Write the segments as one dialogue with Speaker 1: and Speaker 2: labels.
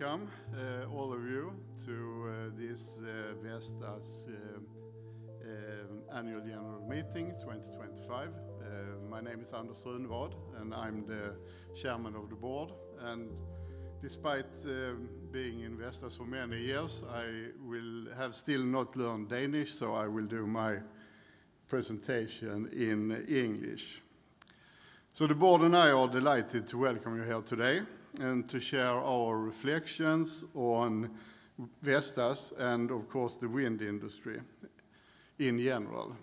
Speaker 1: Welcome, all of you, to this Vestas Annual General Meeting 2025. My name is Anders Runevad, and I'm the Chairman of the Board. Despite being in Vestas for many years, I have still not learned Danish, so I will do my presentation in English. The Board and I are delighted to welcome you here today and to share our reflections on Vestas and, of course, the wind industry in general.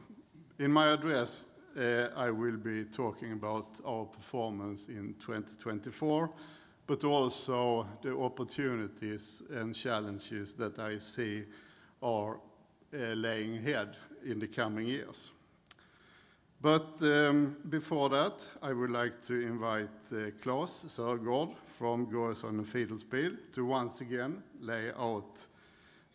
Speaker 1: In my address, I will be talking about our performance in 2024, but also the opportunities and challenges that I see are laying ahead in the coming years. Before that, I would like to invite Claes Sørgaard from Goes on the Fidelsbyd to once again lay out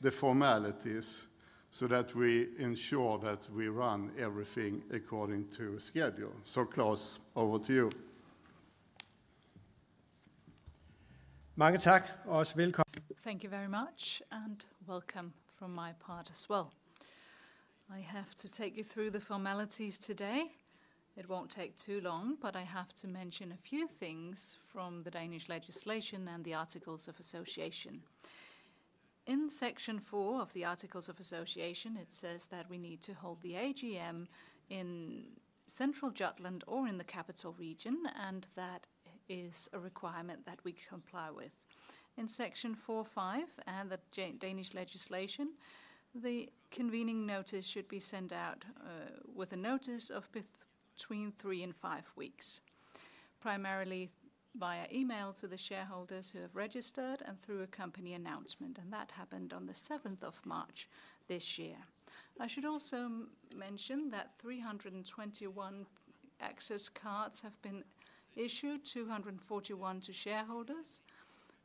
Speaker 1: the formalities so that we ensure that we run everything according to schedule. Claes, over to you.
Speaker 2: Mange tak og velkommen.
Speaker 3: Thank you very much, and welcome from my part as well. I have to take you through the formalities today. It won't take too long, but I have to mention a few things from the Danish legislation and the Articles of Association. In Section 4 of the Articles of Association, it says that we need to hold the AGM in Central Jutland or in the capital region, and that is a requirement that we comply with. In Section 4.5 and the Danish legislation, the convening notice should be sent out with a notice of between three and five weeks, primarily via email to the shareholders who have registered and through a company announcement, and that happened on the 7th of March this year. I should also mention that 321 access cards have been issued, 241 to shareholders,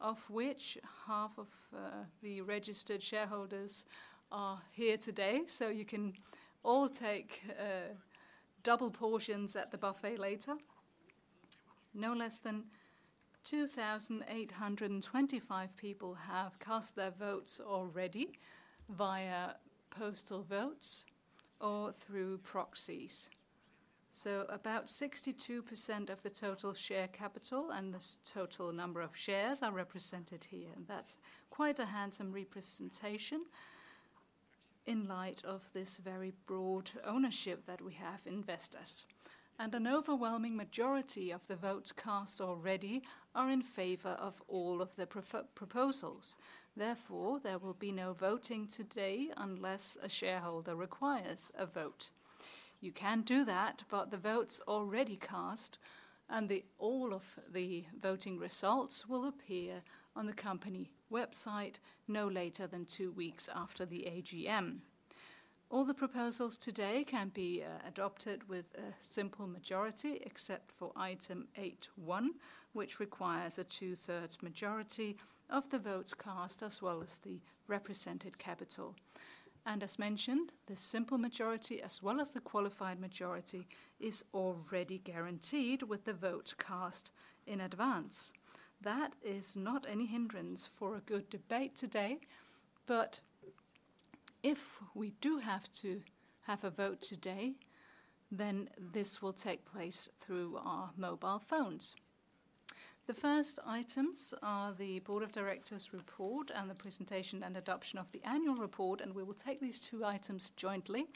Speaker 3: of which half of the registered shareholders are here today, so you can all take double portions at the buffet later. No less than 2,825 people have cast their votes already via postal votes or through proxies. About 62% of the total share capital and the total number of shares are represented here. That is quite a handsome representation in light of this very broad ownership that we have in Vestas. An overwhelming majority of the votes cast already are in favor of all of the proposals. Therefore, there will be no voting today unless a shareholder requires a vote. You can do that, but the votes are already cast, and all of the voting results will appear on the company website no later than two weeks after the AGM. All the proposals today can be adopted with a simple majority, except for item 8.1, which requires a two-thirds majority of the votes cast as well as the represented capital. As mentioned, the simple majority as well as the qualified majority is already guaranteed with the vote cast in advance. That is not any hindrance for a good debate today. If we do have to have a vote today, this will take place through our mobile phones. The first items are the Board of Directors' report and the presentation and adoption of the annual report, and we will take these two items jointly.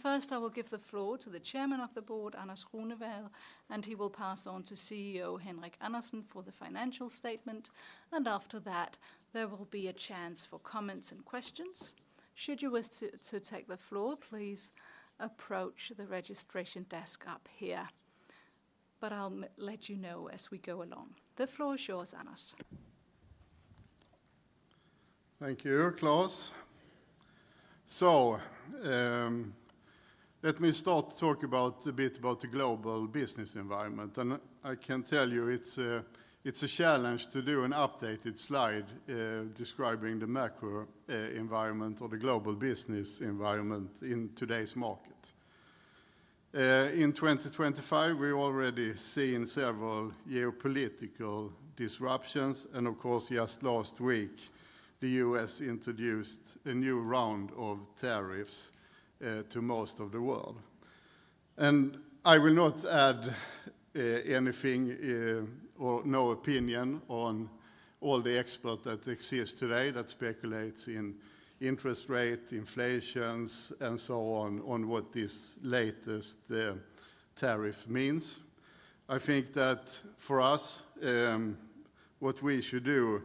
Speaker 3: First, I will give the floor to the Chairman of the Board, Anders Runevad, and he will pass on to CEO Henrik Andersen for the financial statement. After that, there will be a chance for comments and questions. Should you wish to take the floor, please approach the registration desk up here. I will let you know as we go along. The floor is yours, Anders.
Speaker 1: Thank you, Claes. Let me start talking a bit about the global business environment. I can tell you it is a challenge to do an updated slide describing the macro environment or the global business environment in today's market. In 2025, we already see several geopolitical disruptions, and of course, just last week, the U.S. introduced a new round of tariffs to most of the world. I will not add anything or no opinion on all the experts that exist today that speculate in interest rates, inflations, and so on on what this latest tariff means. I think that for us, what we should do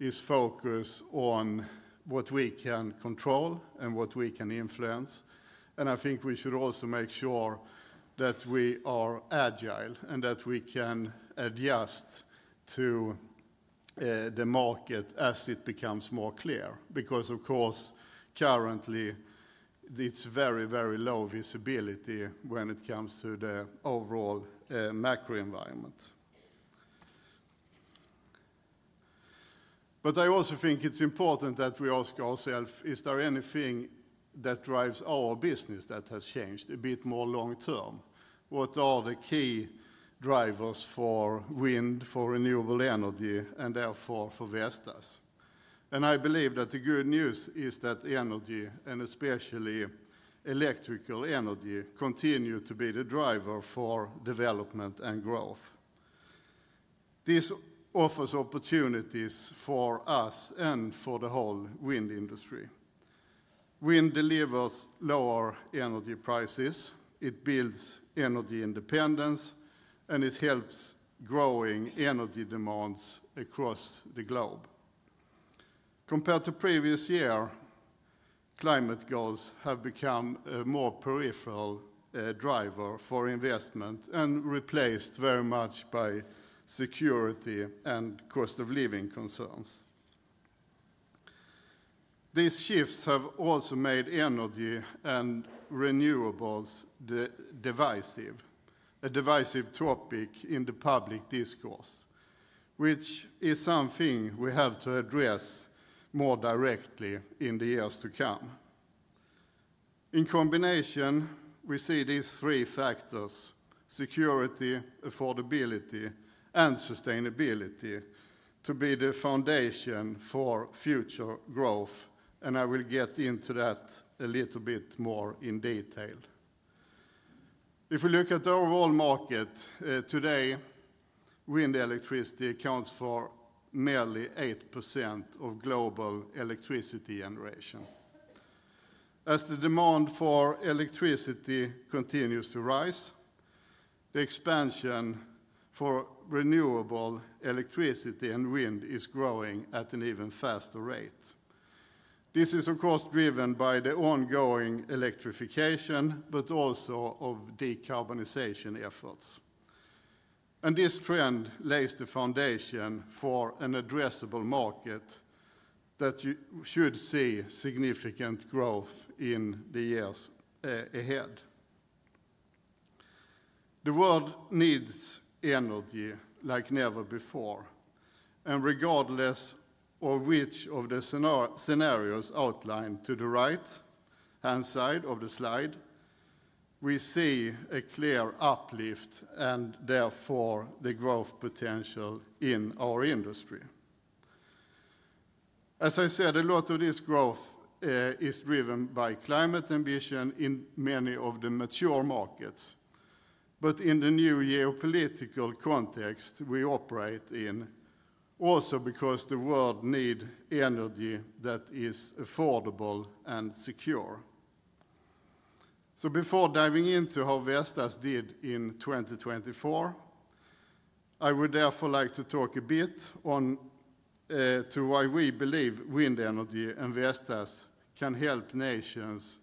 Speaker 1: is focus on what we can control and what we can influence. I think we should also make sure that we are agile and that we can adjust to the market as it becomes more clear, because of course, currently, it's very, very low visibility when it comes to the overall macro environment. I also think it's important that we ask ourselves, is there anything that drives our business that has changed a bit more long term? What are the key drivers for wind, for renewable energy, and therefore for Vestas? I believe that the good news is that energy, and especially electrical energy, continue to be the driver for development and growth. This offers opportunities for us and for the whole wind industry. Wind delivers lower energy prices, it builds energy independence, and it helps growing energy demands across the globe. Compared to the previous year, climate goals have become a more peripheral driver for investment and replaced very much by security and cost of living concerns. These shifts have also made energy and renewables a divisive topic in the public discourse, which is something we have to address more directly in the years to come. In combination, we see these three factors: security, affordability, and sustainability to be the foundation for future growth, and I will get into that a little bit more in detail. If we look at the overall market today, wind electricity accounts for nearly 8% of global electricity generation. As the demand for electricity continues to rise, the expansion for renewable electricity and wind is growing at an even faster rate. This is, of course, driven by the ongoing electrification, but also of decarbonization efforts. This trend lays the foundation for an addressable market that should see significant growth in the years ahead. The world needs energy like never before. Regardless of which of the scenarios outlined to the right-hand side of the slide, we see a clear uplift and therefore the growth potential in our industry. As I said, a lot of this growth is driven by climate ambition in many of the mature markets, but in the new geopolitical context we operate in, also because the world needs energy that is affordable and secure. Before diving into how Vestas did in 2024, I would therefore like to talk a bit on why we believe wind energy and Vestas can help nations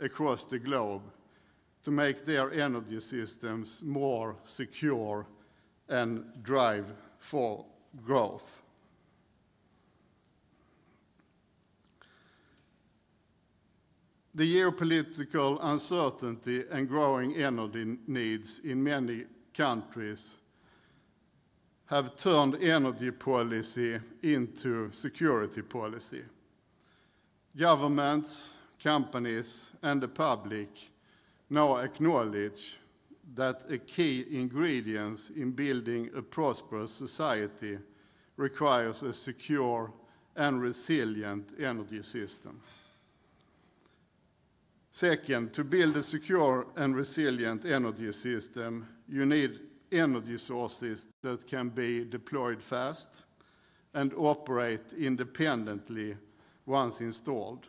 Speaker 1: across the globe to make their energy systems more secure and drive for growth. The geopolitical uncertainty and growing energy needs in many countries have turned energy policy into security policy. Governments, companies, and the public now acknowledge that a key ingredient in building a prosperous society requires a secure and resilient energy system. Second, to build a secure and resilient energy system, you need energy sources that can be deployed fast and operate independently once installed.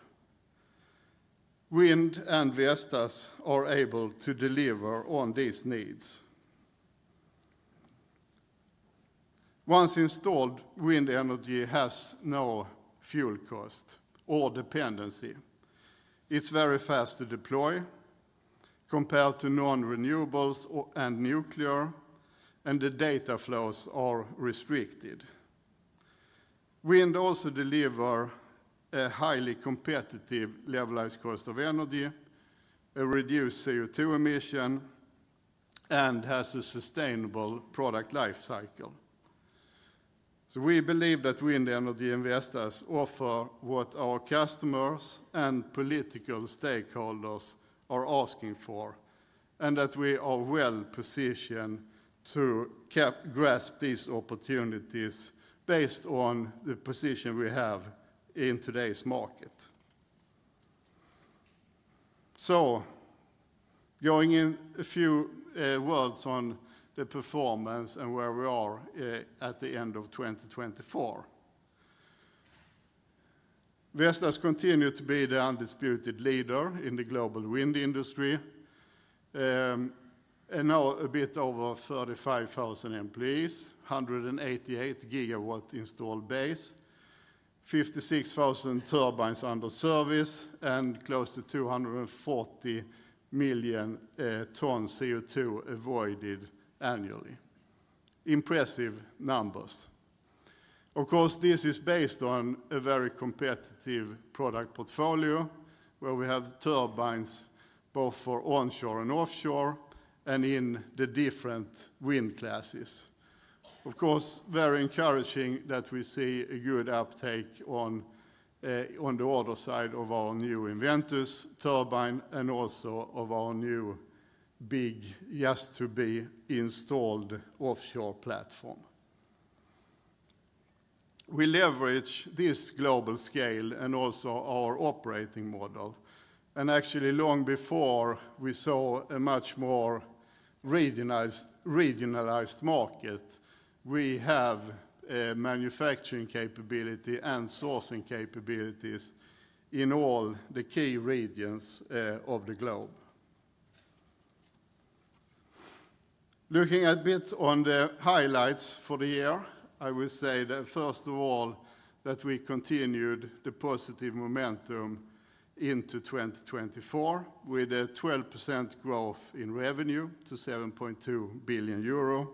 Speaker 1: Wind and Vestas are able to deliver on these needs. Once installed, wind energy has no fuel cost or dependency. It's very fast to deploy compared to non-renewables and nuclear, and the data flows are restricted. Wind also delivers a highly competitive levelized cost of energy, a reduced CO2 emission, and has a sustainable product life cycle. We believe that wind energy and Vestas offer what our customers and political stakeholders are asking for, and that we are well positioned to grasp these opportunities based on the position we have in today's market. Going in a few words on the performance and where we are at the end of 2024, Vestas continues to be the undisputed leader in the global wind industry, and now a bit over 35,000 employees, 188 GW installed base, 56,000 turbines under service, and close to 240 million tons of CO2 avoided annually. Impressive numbers. Of course, this is based on a very competitive product portfolio where we have turbines both for onshore and offshore and in the different wind classes. Of course, very encouraging that we see a good uptake on the other side of our new EnVentus turbine and also of our new big yesterday installed offshore platform. We leverage this global scale and also our operating model. Actually, long before we saw a much more regionalized market, we have manufacturing capability and sourcing capabilities in all the key regions of the globe. Looking a bit on the highlights for the year, I will say that first of all, we continued the positive momentum into 2024 with a 12% growth in revenue to 7.2 billion euro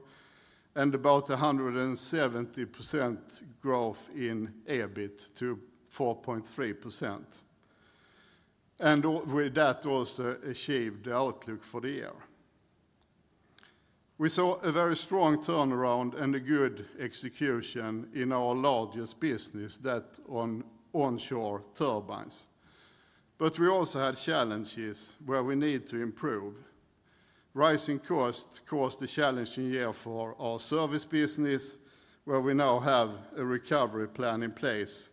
Speaker 1: and about 170% growth in EBIT to 4.3%. With that, we also achieved the outlook for the year. We saw a very strong turnaround and a good execution in our largest business, that on onshore turbines. We also had challenges where we need to improve. Rising costs caused a challenge in year four, our service business, where we now have a recovery plan in place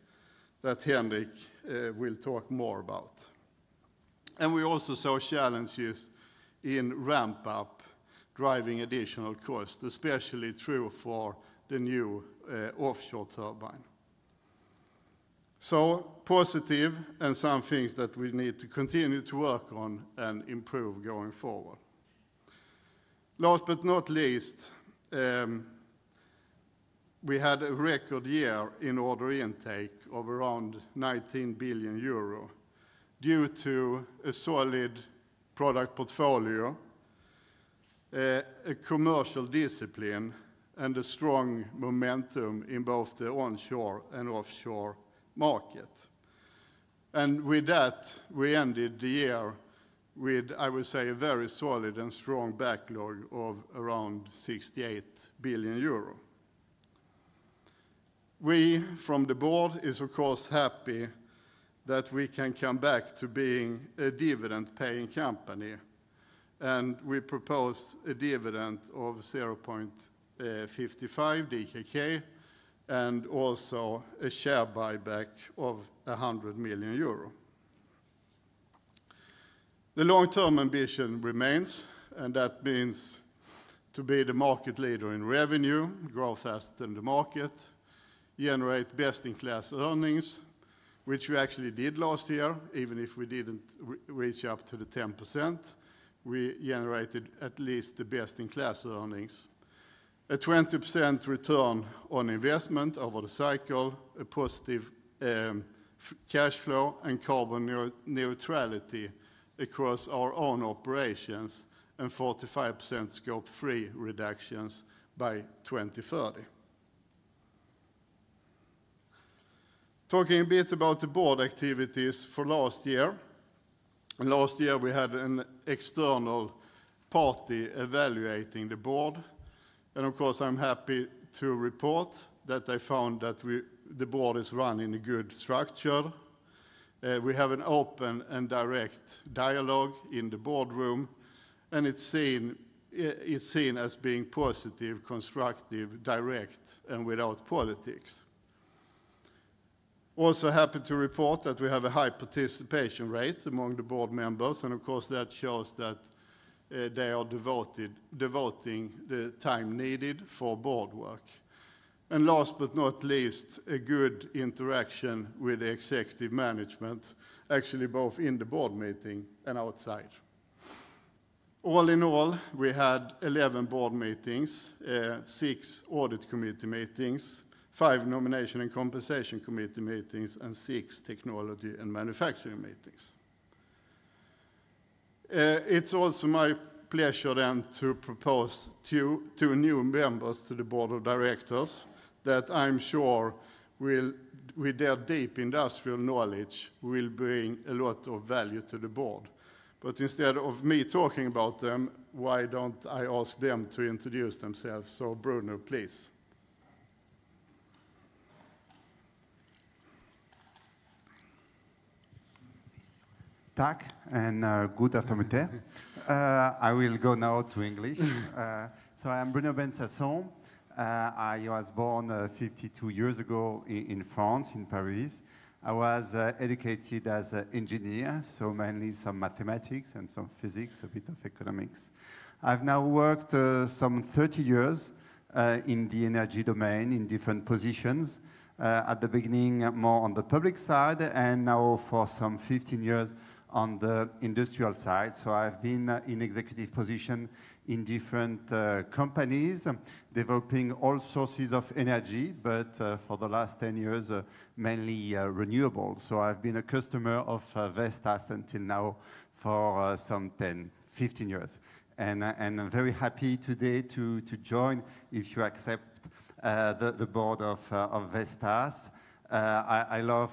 Speaker 1: that Henrik will talk more about. We also saw challenges in ramp-up, driving additional costs, especially true for the new offshore turbine. Positive and some things that we need to continue to work on and improve going forward. Last but not least, we had a record year in order intake of around 19 billion euro due to a solid product portfolio, a commercial discipline, and a strong momentum in both the onshore and offshore market. With that, we ended the year with, I would say, a very solid and strong backlog of around 68 billion euro. We, from the board, are of course happy that we can come back to being a dividend-paying company, and we propose a dividend of 0.55 DKK and also a share buyback of 100 million euro. The long-term ambition remains, and that means to be the market leader in revenue, grow fast in the market, generate best-in-class earnings, which we actually did last year, even if we did not reach up to the 10%. We generated at least the best-in-class earnings, a 20% return on investment over the cycle, a positive cash flow and carbon neutrality across our own operations, and 45% scope three reductions by 2030. Talking a bit about the board activities for last year. Last year, we had an external party evaluating the board. Of course, I am happy to report that I found that the board is running a good structure. We have an open and direct dialogue in the boardroom, and it is seen as being positive, constructive, direct, and without politics. Also happy to report that we have a high participation rate among the board members, and of course, that shows that they are devoting the time needed for board work. Last but not least, a good interaction with the executive management, actually both in the board meeting and outside. All in all, we had 11 board meetings, six audit committee meetings, five nomination and compensation committee meetings, and six technology and manufacturing meetings. It's also my pleasure then to propose two new members to the board of directors that I'm sure with their deep industrial knowledge will bring a lot of value to the board. Instead of me talking about them, why don't I ask them to introduce themselves? Bruno, please.
Speaker 4: Tack and good afternoon. I will go now to English. I'm Bruno Bensasson. I was born 52 years ago in France, in Paris. I was educated as an engineer, so mainly some mathematics and some physics, a bit of economics. I've now worked some 30 years in the energy domain in different positions. At the beginning, more on the public side, and now for some 15 years on the industrial side. I've been in executive position in different companies, developing all sources of energy, but for the last 10 years, mainly renewables. I've been a customer of Vestas until now for some 10-15 years. I'm very happy today to join if you accept the board of Vestas. I love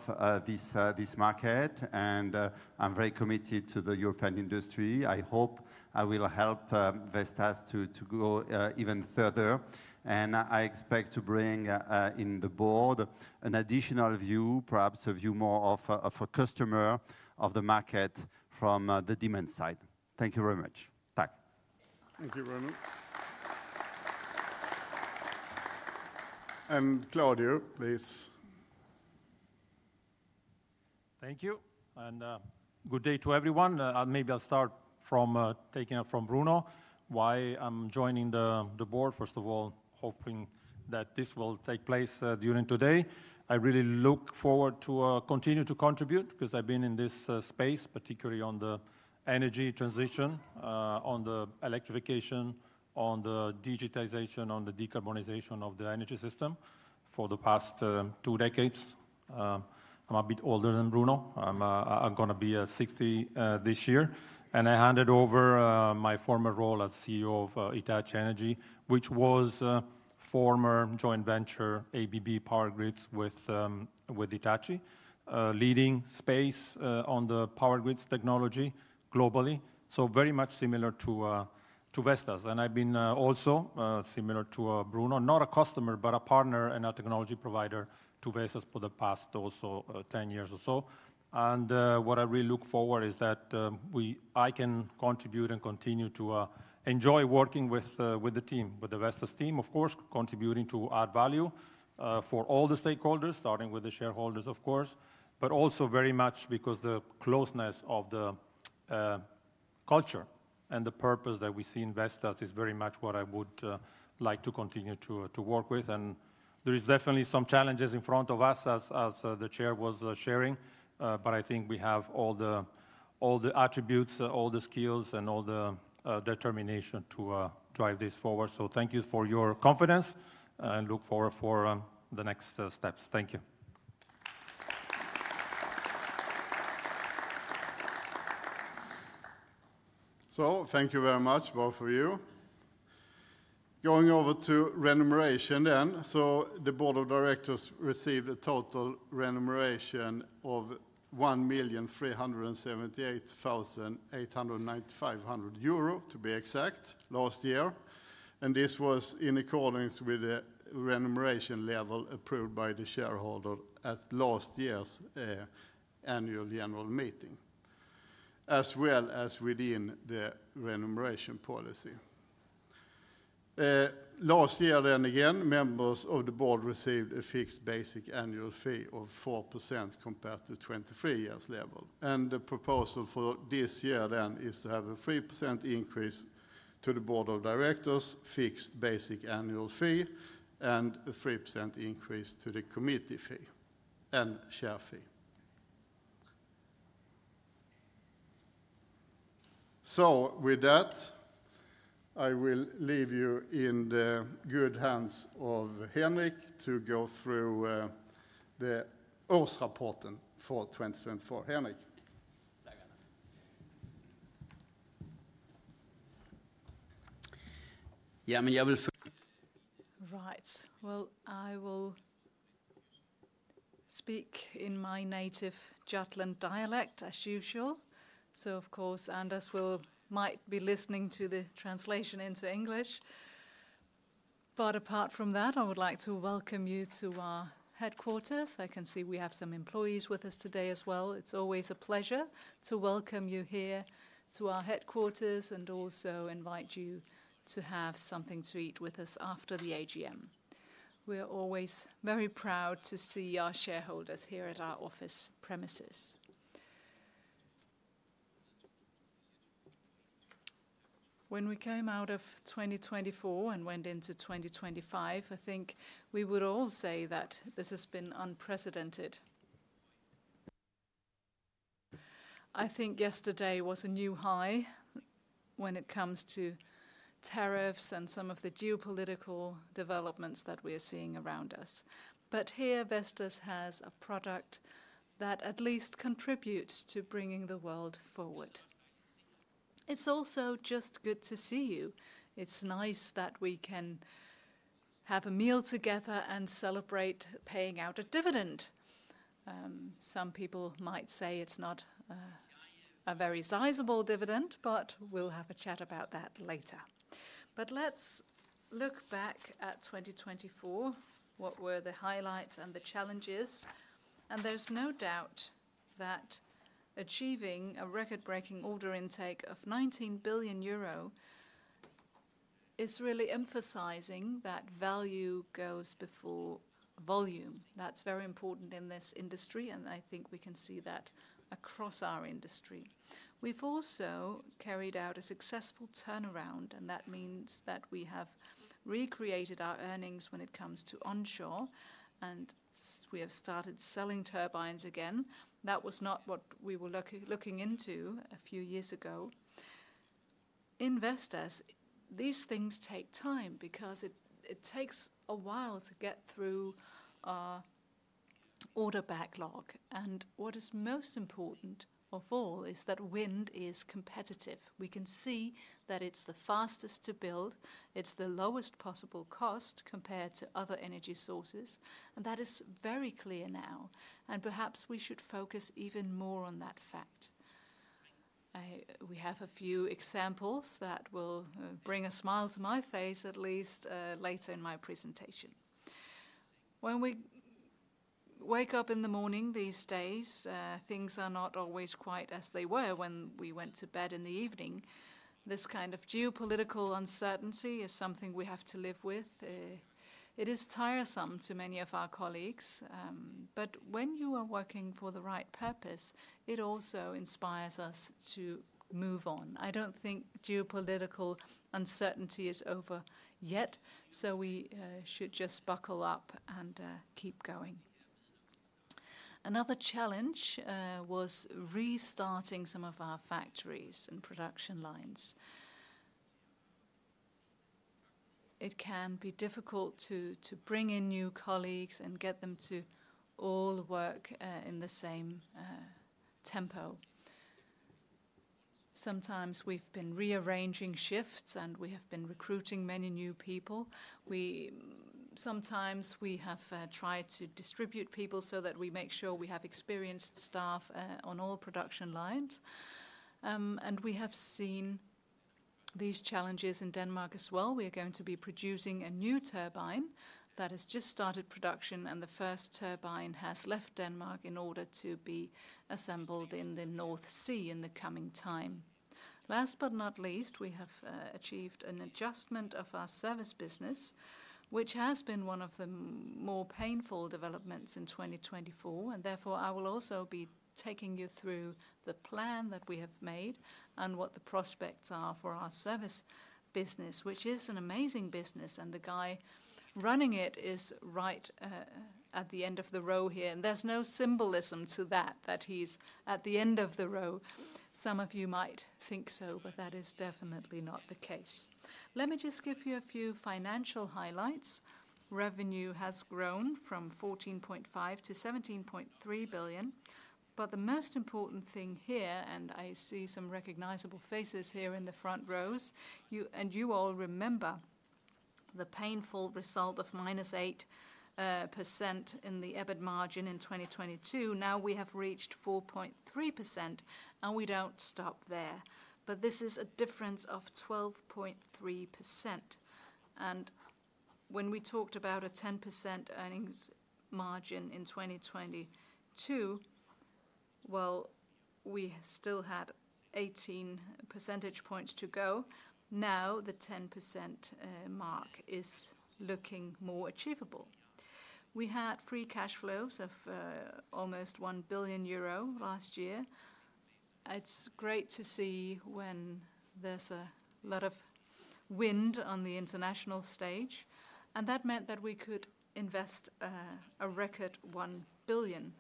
Speaker 4: this market, and I'm very committed to the European industry. I hope I will help Vestas to go even further, and I expect to bring in the board an additional view, perhaps a view more of a customer of the market from the demand side. Thank you very much. Tack.
Speaker 1: Thank you, Bruno. Claudio, please.
Speaker 5: Thank you. Good day to everyone. Maybe I'll start from taking up from Bruno, why I'm joining the board. First of all, hoping that this will take place during today. I really look forward to continue to contribute because I've been in this space, particularly on the energy transition, on the electrification, on the digitization, on the decarbonization of the energy system for the past two decades. I'm a bit older than Bruno. I'm going to be 60 this year. I handed over my former role as CEO of Hitachi Energy, which was a former joint venture, ABB Power Grids with Hitachi, leading space on the power grids technology globally. Very much similar to Vestas. I have been also similar to Bruno, not a customer, but a partner and a technology provider to Vestas for the past also 10 years or so. What I really look forward to is that I can contribute and continue to enjoy working with the team, with the Vestas team, of course, contributing to add value for all the stakeholders, starting with the shareholders, of course, but also very much because the closeness of the culture and the purpose that we see in Vestas is very much what I would like to continue to work with. There are definitely some challenges in front of us, as the chair was sharing, but I think we have all the attributes, all the skills, and all the determination to drive this forward. Thank you for your confidence, and I look forward to the next steps. Thank you.
Speaker 1: Thank you very much, both of you. Going over to remuneration then. The board of directors received a total remuneration of 1,378,895 euro, to be exact, last year. This was in accordance with the remuneration level approved by the shareholder at last year's annual general meeting, as well as within the remuneration policy. Last year then again, members of the board received a fixed basic annual fee of 4% compared to 2023's level. The proposal for this year then is to have a 3% increase to the board of directors, fixed basic annual fee, and a 3% increase to the committee fee and share fee. With that, I will leave you in the good hands of Henrik to go through the årsrapporten for 2024. Henrik.
Speaker 6: Yeah, I mean, I will. Right. I will speak in my native Jutland dialect, as usual.
Speaker 1: Of course, Anders might be listening to the translation into English. Apart from that, I would like to welcome you to our headquarters. I can see we have some employees with us today as well. It is always a pleasure to welcome you here to our headquarters and also invite you to have something to eat with us after the AGM. We are always very proud to see our shareholders here at our office premises. When we came out of 2024 and went into 2025, I think we would all say that this has been unprecedented. I think yesterday was a new high when it comes to tariffs and some of the geopolitical developments that we are seeing around us. Here, Vestas has a product that at least contributes to bringing the world forward. It is also just good to see you. It's nice that we can have a meal together and celebrate paying out a dividend. Some people might say it's not a very sizable dividend, but we'll have a chat about that later. Let's look back at 2024. What were the highlights and the challenges? There is no doubt that achieving a record-breaking order intake of 19 billion euro is really emphasizing that value goes before volume. That's very important in this industry, and I think we can see that across our industry. We've also carried out a successful turnaround, and that means that we have recreated our earnings when it comes to onshore, and we have started selling turbines again. That was not what we were looking into a few years ago. Investors, these things take time because it takes a while to get through our order backlog. What is most important of all is that wind is competitive. We can see that it is the fastest to build. It is the lowest possible cost compared to other energy sources, and that is very clear now. Perhaps we should focus even more on that fact. We have a few examples that will bring a smile to my face, at least later in my presentation. When we wake up in the morning these days, things are not always quite as they were when we went to bed in the evening. This kind of geopolitical uncertainty is something we have to live with. It is tiresome to many of our colleagues, but when you are working for the right purpose, it also inspires us to move on. I do not think geopolitical uncertainty is over yet, so we should just buckle up and keep going. Another challenge was restarting some of our factories and production lines. It can be difficult to bring in new colleagues and get them to all work in the same tempo. Sometimes we've been rearranging shifts, and we have been recruiting many new people. Sometimes we have tried to distribute people so that we make sure we have experienced staff on all production lines. We have seen these challenges in Denmark as well. We are going to be producing a new turbine that has just started production, and the first turbine has left Denmark in order to be assembled in the North Sea in the coming time. Last but not least, we have achieved an adjustment of our service business, which has been one of the more painful developments in 2024. Therefore, I will also be taking you through the plan that we have made and what the prospects are for our service business, which is an amazing business. The guy running it is right at the end of the row here. There is no symbolism to that, that he is at the end of the row. Some of you might think so, but that is definitely not the case. Let me just give you a few financial highlights. Revenue has grown from 14.5 billion to 17.3 billion. The most important thing here, and I see some recognizable faces here in the front rows, and you all remember the painful result of minus 8% in the EBIT margin in 2022. Now we have reached 4.3%, and we do not stop there. This is a difference of 12.3%. When we talked about a 10% earnings margin in 2022, we still had 18 percentage points to go. Now the 10% mark is looking more achievable. We had free cash flows of almost 1 billion euro last year. It's great to see when there's a lot of wind on the international stage. That meant that we could invest a record 1 billion.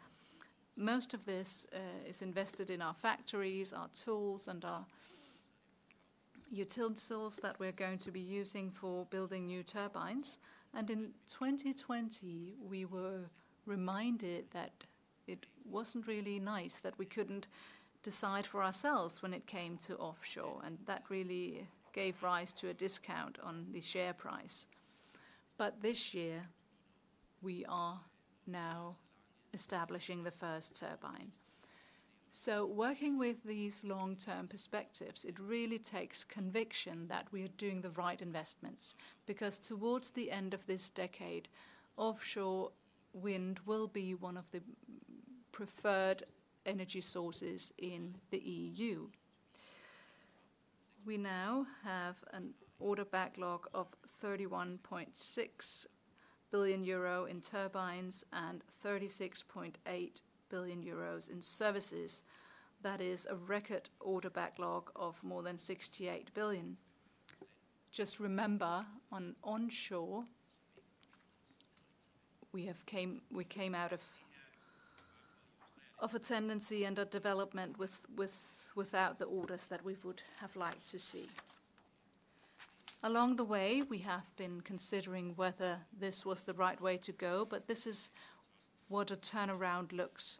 Speaker 1: Most of this is invested in our factories, our tools, and our utilities that we're going to be using for building new turbines. In 2020, we were reminded that it wasn't really nice that we couldn't decide for ourselves when it came to offshore. That really gave rise to a discount on the share price. This year, we are now establishing the first turbine. Working with these long-term perspectives, it really takes conviction that we are doing the right investments because towards the end of this decade, offshore wind will be one of the preferred energy sources in the EU. We now have an order backlog of 31.6 billion euro in turbines and 36.8 billion euros in services. That is a record order backlog of more than 68 billion. Just remember, on onshore, we came out of a tendency and a development without the orders that we would have liked to see. Along the way, we have been considering whether this was the right way to go, but this is what a turnaround looks.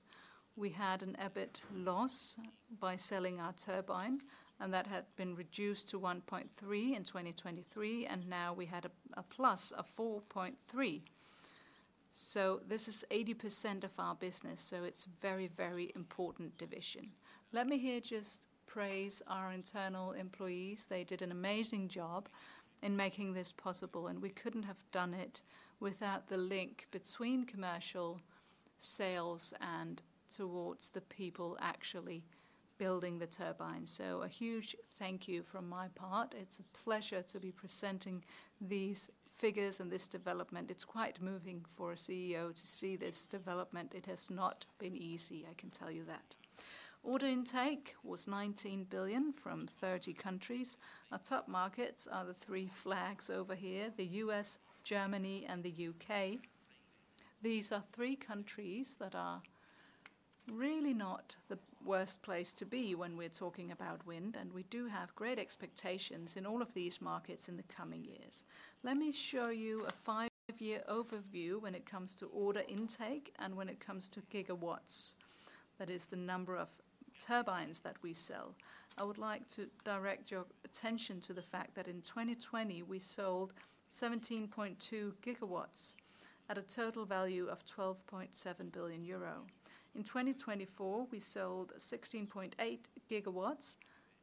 Speaker 1: We had an EBIT loss by selling our turbine, and that had been reduced to 1.3 in 2023, and now we had a plus of 4.3. This is 80% of our business, so it's a very, very important division. Let me here just praise our internal employees. They did an amazing job in making this possible, and we couldn't have done it without the link between commercial sales and towards the people actually building the turbine. So a huge thank you from my part. It's a pleasure to be presenting these figures and this development. It's quite moving for a CEO to see this development. It has not been easy, I can tell you that. Order intake was 19 billion from 30 countries. Our top markets are the three flags over here, the U.S., Germany, and the U.K. These are three countries that are really not the worst place to be when we're talking about wind, and we do have great expectations in all of these markets in the coming years. Let me show you a five-year overview when it comes to order intake and when it comes to GW. That is the number of turbines that we sell. I would like to direct your attention to the fact that in 2020, we sold 17.2 GW at a total value of 12.7 billion euro. In 2024, we sold 16.8 GW,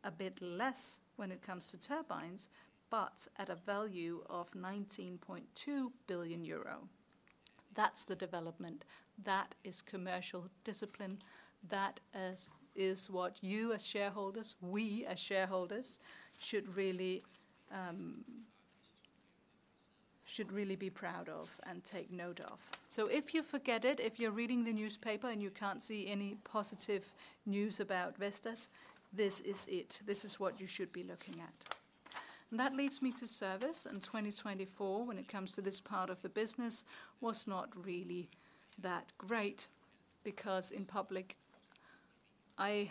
Speaker 1: a bit less when it comes to turbines, but at a value of 19.2 billion euro. That is the development. That is commercial discipline. That is what you, as shareholders, we, as shareholders, should really be proud of and take note of. If you forget it, if you're reading the newspaper and you can't see any positive news about Vestas, this is it. This is what you should be looking at. That leads me to service. In 2024, when it comes to this part of the business, it was not really that great because in public, I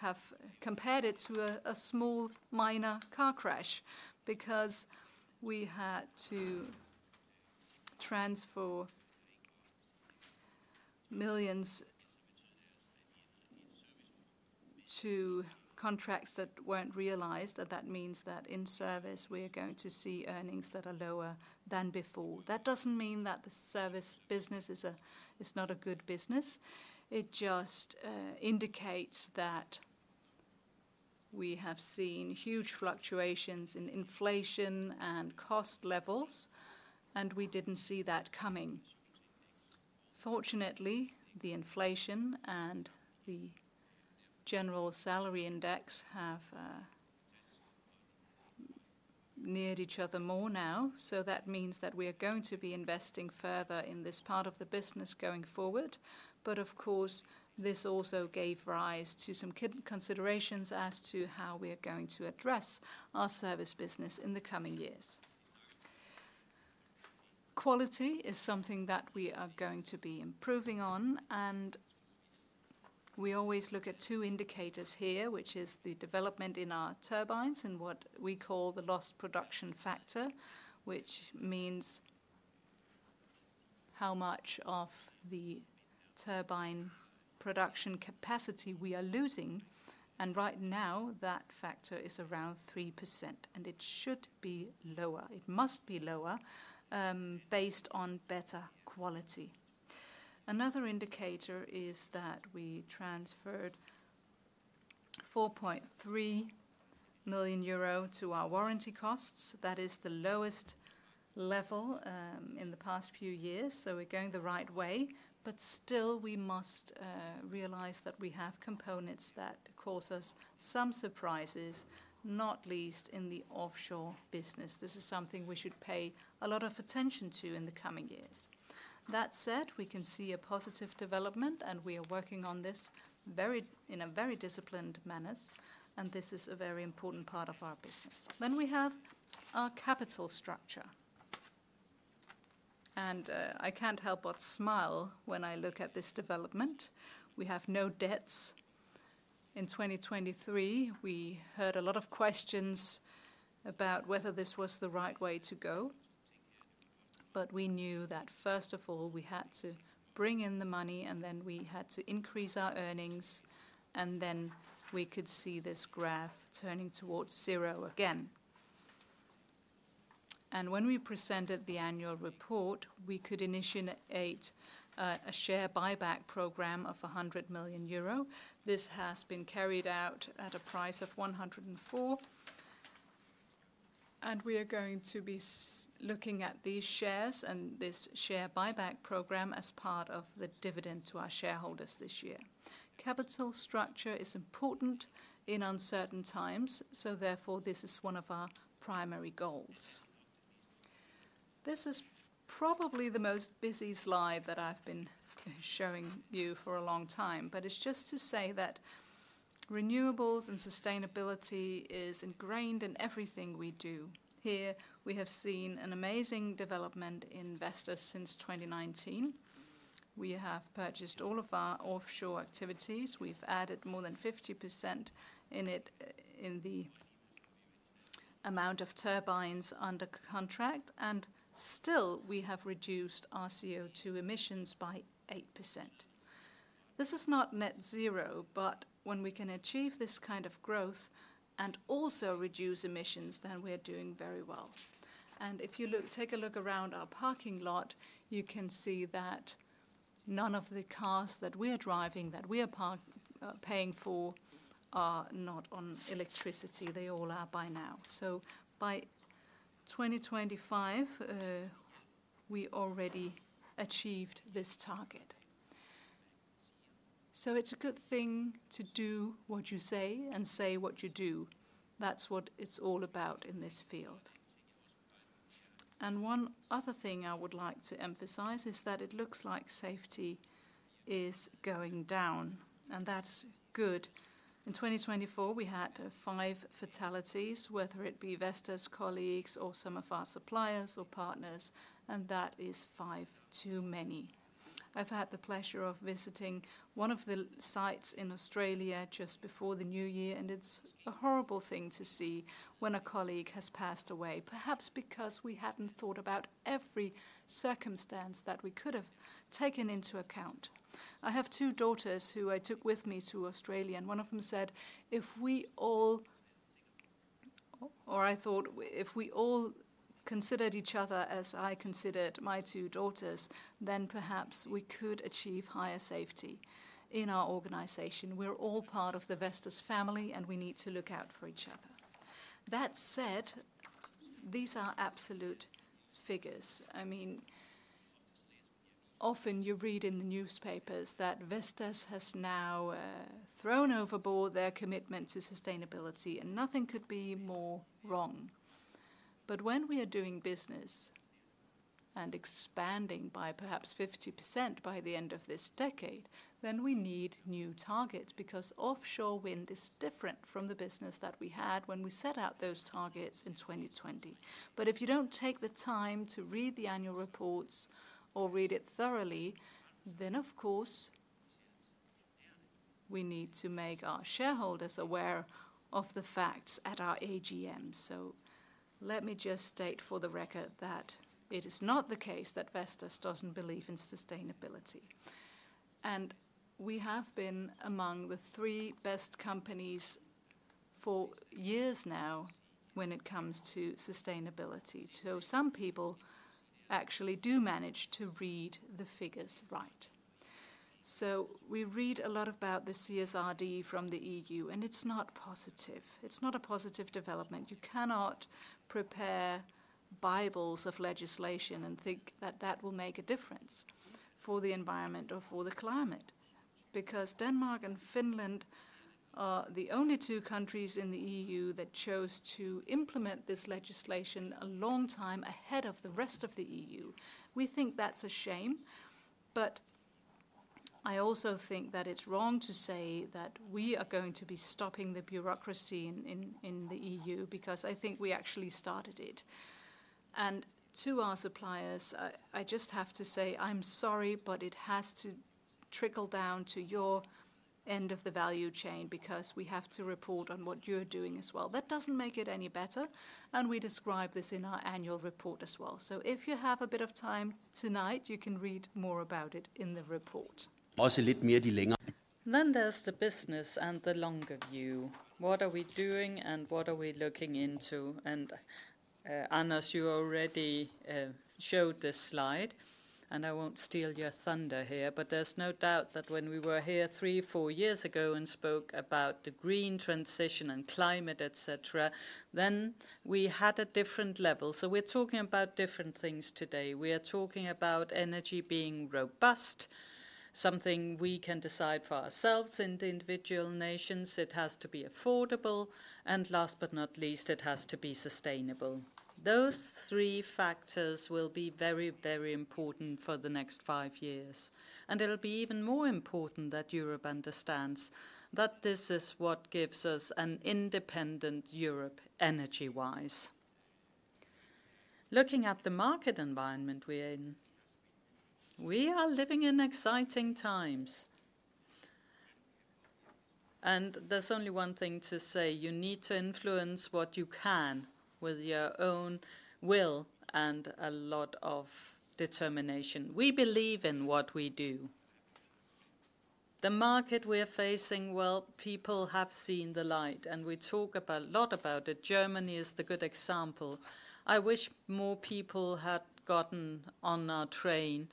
Speaker 1: have compared it to a small minor car crash because we had to transfer millions to contracts that were not realized. That means that in service, we are going to see earnings that are lower than before. That does not mean that the service business is not a good business. It just indicates that we have seen huge fluctuations in inflation and cost levels, and we did not see that coming. Fortunately, the inflation and the general salary index have neared each other more now. That means that we are going to be investing further in this part of the business going forward. Of course, this also gave rise to some considerations as to how we are going to address our service business in the coming years. Quality is something that we are going to be improving on, and we always look at two indicators here, which is the development in our turbines and what we call the lost production factor, which means how much of the turbine production capacity we are losing. Right now, that factor is around 3%, and it should be lower. It must be lower based on better quality. Another indicator is that we transferred 4.3 million euro to our warranty costs. That is the lowest level in the past few years. We are going the right way, but still, we must realize that we have components that cause us some surprises, not least in the offshore business. This is something we should pay a lot of attention to in the coming years. That said, we can see a positive development, and we are working on this in a very disciplined manner, and this is a very important part of our business. We have our capital structure. I can't help but smile when I look at this development. We have no debts. In 2023, we heard a lot of questions about whether this was the right way to go, but we knew that first of all, we had to bring in the money, and then we had to increase our earnings, and then we could see this graph turning towards zero again. When we presented the annual report, we could initiate a share buyback program of 100 million euro. This has been carried out at a price of 104, and we are going to be looking at these shares and this share buyback program as part of the dividend to our shareholders this year. Capital structure is important in uncertain times, so therefore, this is one of our primary goals. This is probably the most busy slide that I've been showing you for a long time, but it's just to say that renewables and sustainability is ingrained in everything we do. Here, we have seen an amazing development in Vestas since 2019. We have purchased all of our offshore activities. We've added more than 50% in the amount of turbines under contract, and still, we have reduced our CO2 emissions by 8%. This is not net zero, but when we can achieve this kind of growth and also reduce emissions, then we are doing very well. If you take a look around our parking lot, you can see that none of the cars that we are driving, that we are paying for, are not on electricity. They all are by now. By 2025, we already achieved this target. It is a good thing to do what you say and say what you do. That is what it is all about in this field. One other thing I would like to emphasize is that it looks like safety is going down, and that is good. In 2024, we had five fatalities, whether it be Vestas colleagues or some of our suppliers or partners, and that is five too many. I've had the pleasure of visiting one of the sites in Australia just before the New Year, and it's a horrible thing to see when a colleague has passed away, perhaps because we hadn't thought about every circumstance that we could have taken into account. I have two daughters who I took with me to Australia, and one of them said, "If we all," or I thought, "If we all considered each other as I considered my two daughters, then perhaps we could achieve higher safety in our organization. We're all part of the Vestas family, and we need to look out for each other." That said, these are absolute figures. I mean, often you read in the newspapers that Vestas has now thrown overboard their commitment to sustainability, and nothing could be more wrong. When we are doing business and expanding by perhaps 50% by the end of this decade, we need new targets because offshore wind is different from the business that we had when we set out those targets in 2020. If you do not take the time to read the annual reports or read it thoroughly, we need to make our shareholders aware of the facts at our AGM. Let me just state for the record that it is not the case that Vestas does not believe in sustainability. We have been among the three best companies for years now when it comes to sustainability. Some people actually do manage to read the figures right. We read a lot about the CSRD from the EU, and it is not positive. It is not a positive development. You cannot prepare Bibles of legislation and think that that will make a difference for the environment or for the climate because Denmark and Finland are the only two countries in the EU that chose to implement this legislation a long time ahead of the rest of the EU. We think that's a shame, but I also think that it's wrong to say that we are going to be stopping the bureaucracy in the EU because I think we actually started it. To our suppliers, I just have to say, "I'm sorry, but it has to trickle down to your end of the value chain because we have to report on what you're doing as well." That doesn't make it any better, and we describe this in our annual report as well. If you have a bit of time tonight, you can read more about it in the report.
Speaker 2: Også lidt mere de længere.
Speaker 6: There is the business and the longer view. What are we doing and what are we looking into? Annas, you already showed this slide, and I will not steal your thunder here, but there is no doubt that when we were here three, four years ago and spoke about the green transition and climate, etc., we had a different level. We are talking about different things today. We are talking about energy being robust, something we can decide for ourselves in the individual nations. It has to be affordable, and last but not least, it has to be sustainable. Those three factors will be very, very important for the next five years, and it will be even more important that Europe understands that this is what gives us an independent Europe energy-wise. Looking at the market environment we are in, we are living in exciting times, and there is only one thing to say: you need to influence what you can with your own will and a lot of determination. We believe in what we do. The market we are facing, well, people have seen the light, and we talk a lot about it. Germany is the good example. I wish more people had gotten on our train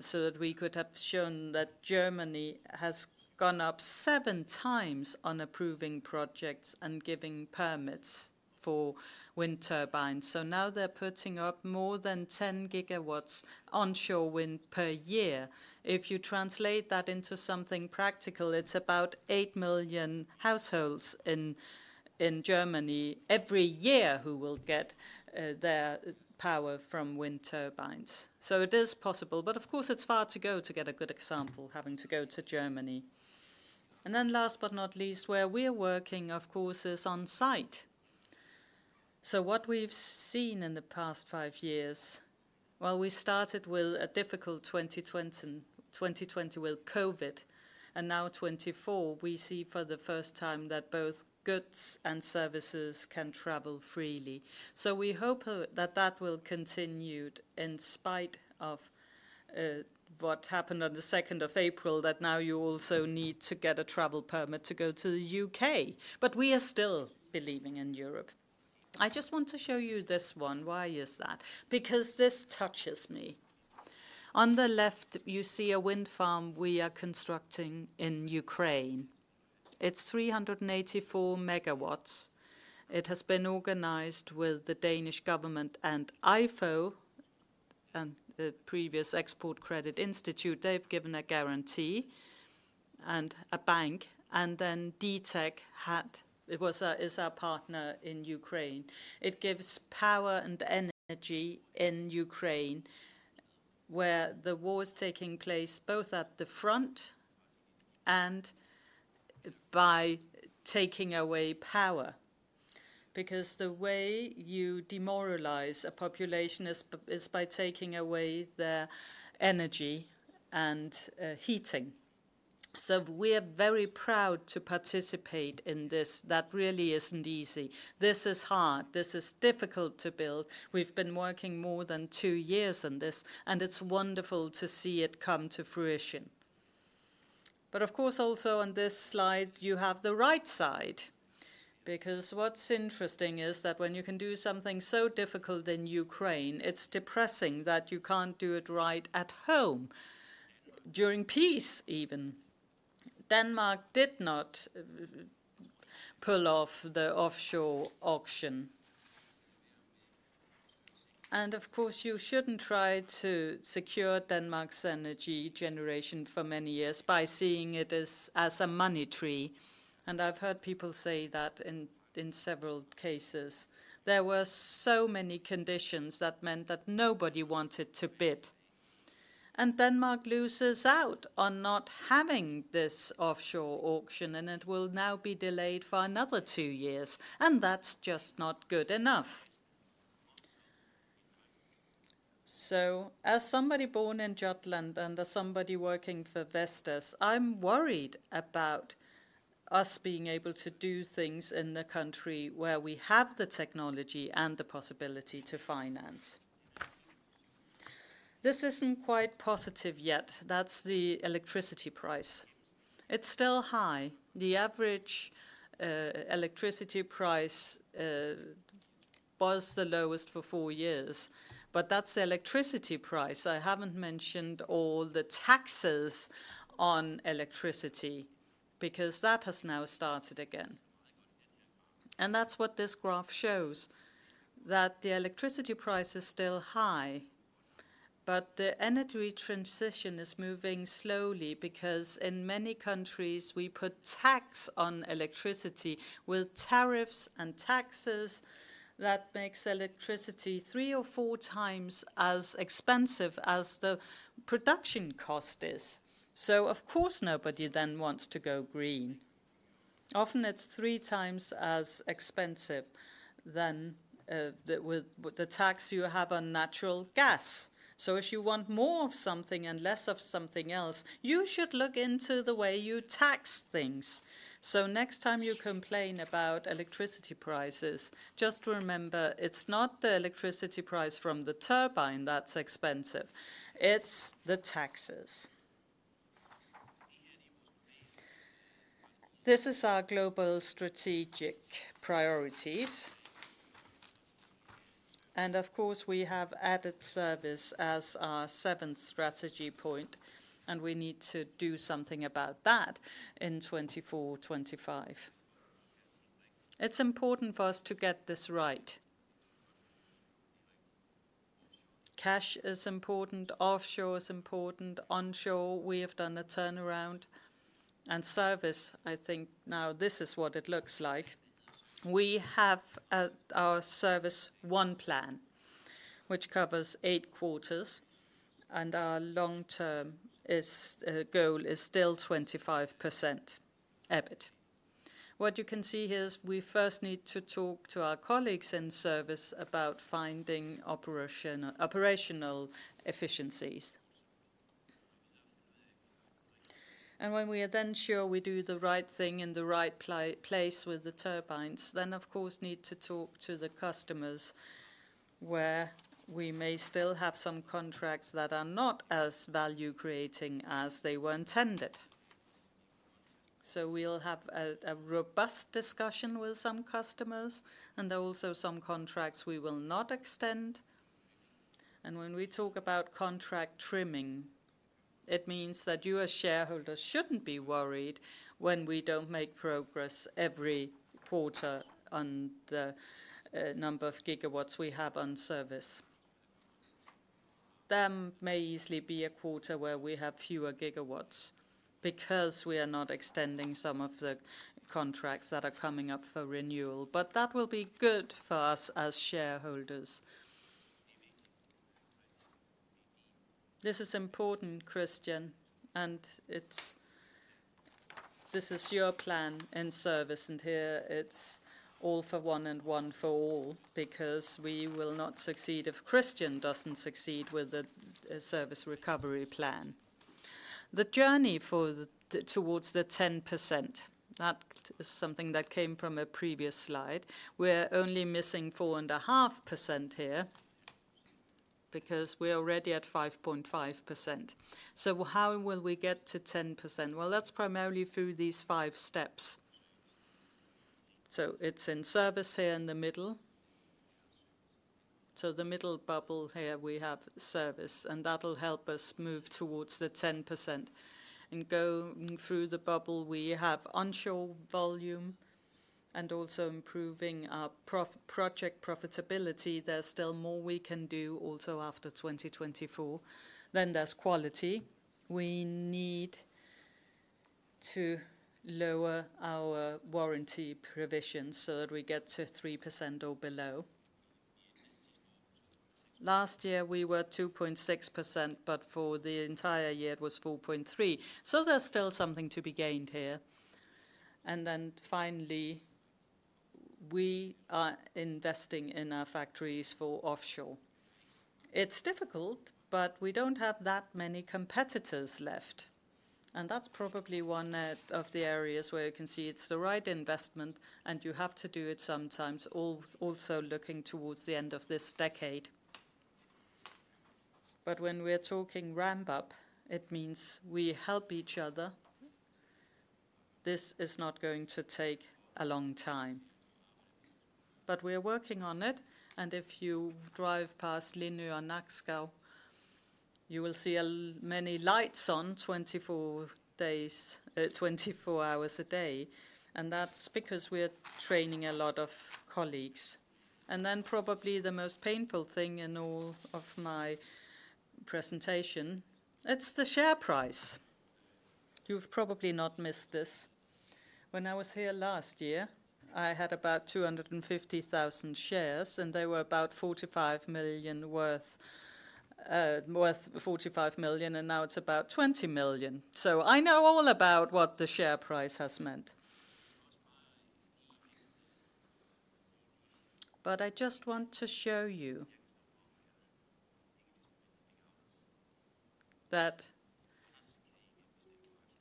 Speaker 6: so that we could have shown that Germany has gone up seven times on approving projects and giving permits for wind turbines. Now they are putting up more than 10 GW onshore wind per year. If you translate that into something practical, it's about 8 million households in Germany every year who will get their power from wind turbines. It is possible, of course, it's far to go to get a good example having to go to Germany. Last but not least, where we are working, of course, is on site. What we've seen in the past five years, we started with a difficult 2020 with COVID, and now 2024, we see for the first time that both goods and services can travel freely. We hope that will continue in spite of what happened on the 2nd of April, that now you also need to get a travel permit to go to the U.K. We are still believing in Europe. I just want to show you this one. Why is that? Because this touches me. On the left, you see a wind farm we are constructing in Ukraine. It is 384 megawatts. It has been organized with the Danish government and IFO, and the previous Export Credit Institute, they have given a guarantee and a bank, and then DTEC, it was our partner in Ukraine. It gives power and energy in Ukraine where the war is taking place, both at the front and by taking away power, because the way you demoralize a population is by taking away their energy and heating. We are very proud to participate in this. That really is not easy. This is hard. This is difficult to build. We have been working more than two years on this, and it is wonderful to see it come to fruition. Of course, also on this slide, you have the right side, because what's interesting is that when you can do something so difficult in Ukraine, it's depressing that you can't do it right at home, during peace even. Denmark did not pull off the offshore auction. You shouldn't try to secure Denmark's energy generation for many years by seeing it as a money tree. I've heard people say that in several cases. There were so many conditions that meant that nobody wanted to bid. Denmark loses out on not having this offshore auction, and it will now be delayed for another two years, and that's just not good enough. As somebody born in Jutland and as somebody working for Vestas, I'm worried about us being able to do things in the country where we have the technology and the possibility to finance. This isn't quite positive yet. That's the electricity price. It's still high. The average electricity price was the lowest for four years, but that's the electricity price. I haven't mentioned all the taxes on electricity because that has now started again. That's what this graph shows, that the electricity price is still high, but the energy transition is moving slowly because in many countries, we put tax on electricity with tariffs and taxes that makes electricity three or four times as expensive as the production cost is. Of course, nobody then wants to go green. Often it's three times as expensive than with the tax you have on natural gas. If you want more of something and less of something else, you should look into the way you tax things. Next time you complain about electricity prices, just remember it's not the electricity price from the turbine that's expensive. It's the taxes. This is our global strategic priorities. Of course, we have added service as our seventh strategy point, and we need to do something about that in 2024, 2025. It's important for us to get this right. Cash is important. Offshore is important. Onshore, we have done a turnaround. Service, I think now this is what it looks like. We have our service one plan, which covers eight quarters, and our long-term goal is still 25% EBIT. What you can see here is we first need to talk to our colleagues in service about finding operational efficiencies. When we are then sure we do the right thing in the right place with the turbines, of course we need to talk to the customers where we may still have some contracts that are not as value-creating as they were intended. We will have a robust discussion with some customers, and there are also some contracts we will not extend. When we talk about contract trimming, it means that you as shareholders should not be worried when we do not make progress every quarter on the number of GW we have on service. There may easily be a quarter where we have fewer GW because we are not extending some of the contracts that are coming up for renewal, but that will be good for us as shareholders. This is important, Christian, and this is your plan in service, and here it's all for one and one for all because we will not succeed if Christian doesn't succeed with the service recovery plan. The journey towards the 10%, that is something that came from a previous slide. We're only missing 4.5% here because we're already at 5.5%. How will we get to 10%? That's primarily through these five steps. It's in service here in the middle. The middle bubble here we have service, and that'll help us move towards the 10%. Going through the bubble, we have onshore volume and also improving our project profitability. There's still more we can do also after 2024. There is quality. We need to lower our warranty provisions so that we get to 3% or below. Last year we were 2.6%, but for the entire year it was 4.3%. There is still something to be gained here. Finally, we are investing in our factories for offshore. It is difficult, but we do not have that many competitors left. That is probably one of the areas where you can see it is the right investment, and you have to do it sometimes also looking towards the end of this decade. When we are talking ramp-up, it means we help each other. This is not going to take a long time, but we are working on it. If you drive past Linne or Nakskov, you will see many lights on 24 hours a day, and that is because we are training a lot of colleagues. Probably the most painful thing in all of my presentation, it is the share price. You have probably not missed this. When I was here last year, I had about 250,000 shares, and they were about 45 million worth, worth 45 million, and now it's about 20 million. I know all about what the share price has meant. I just want to show you that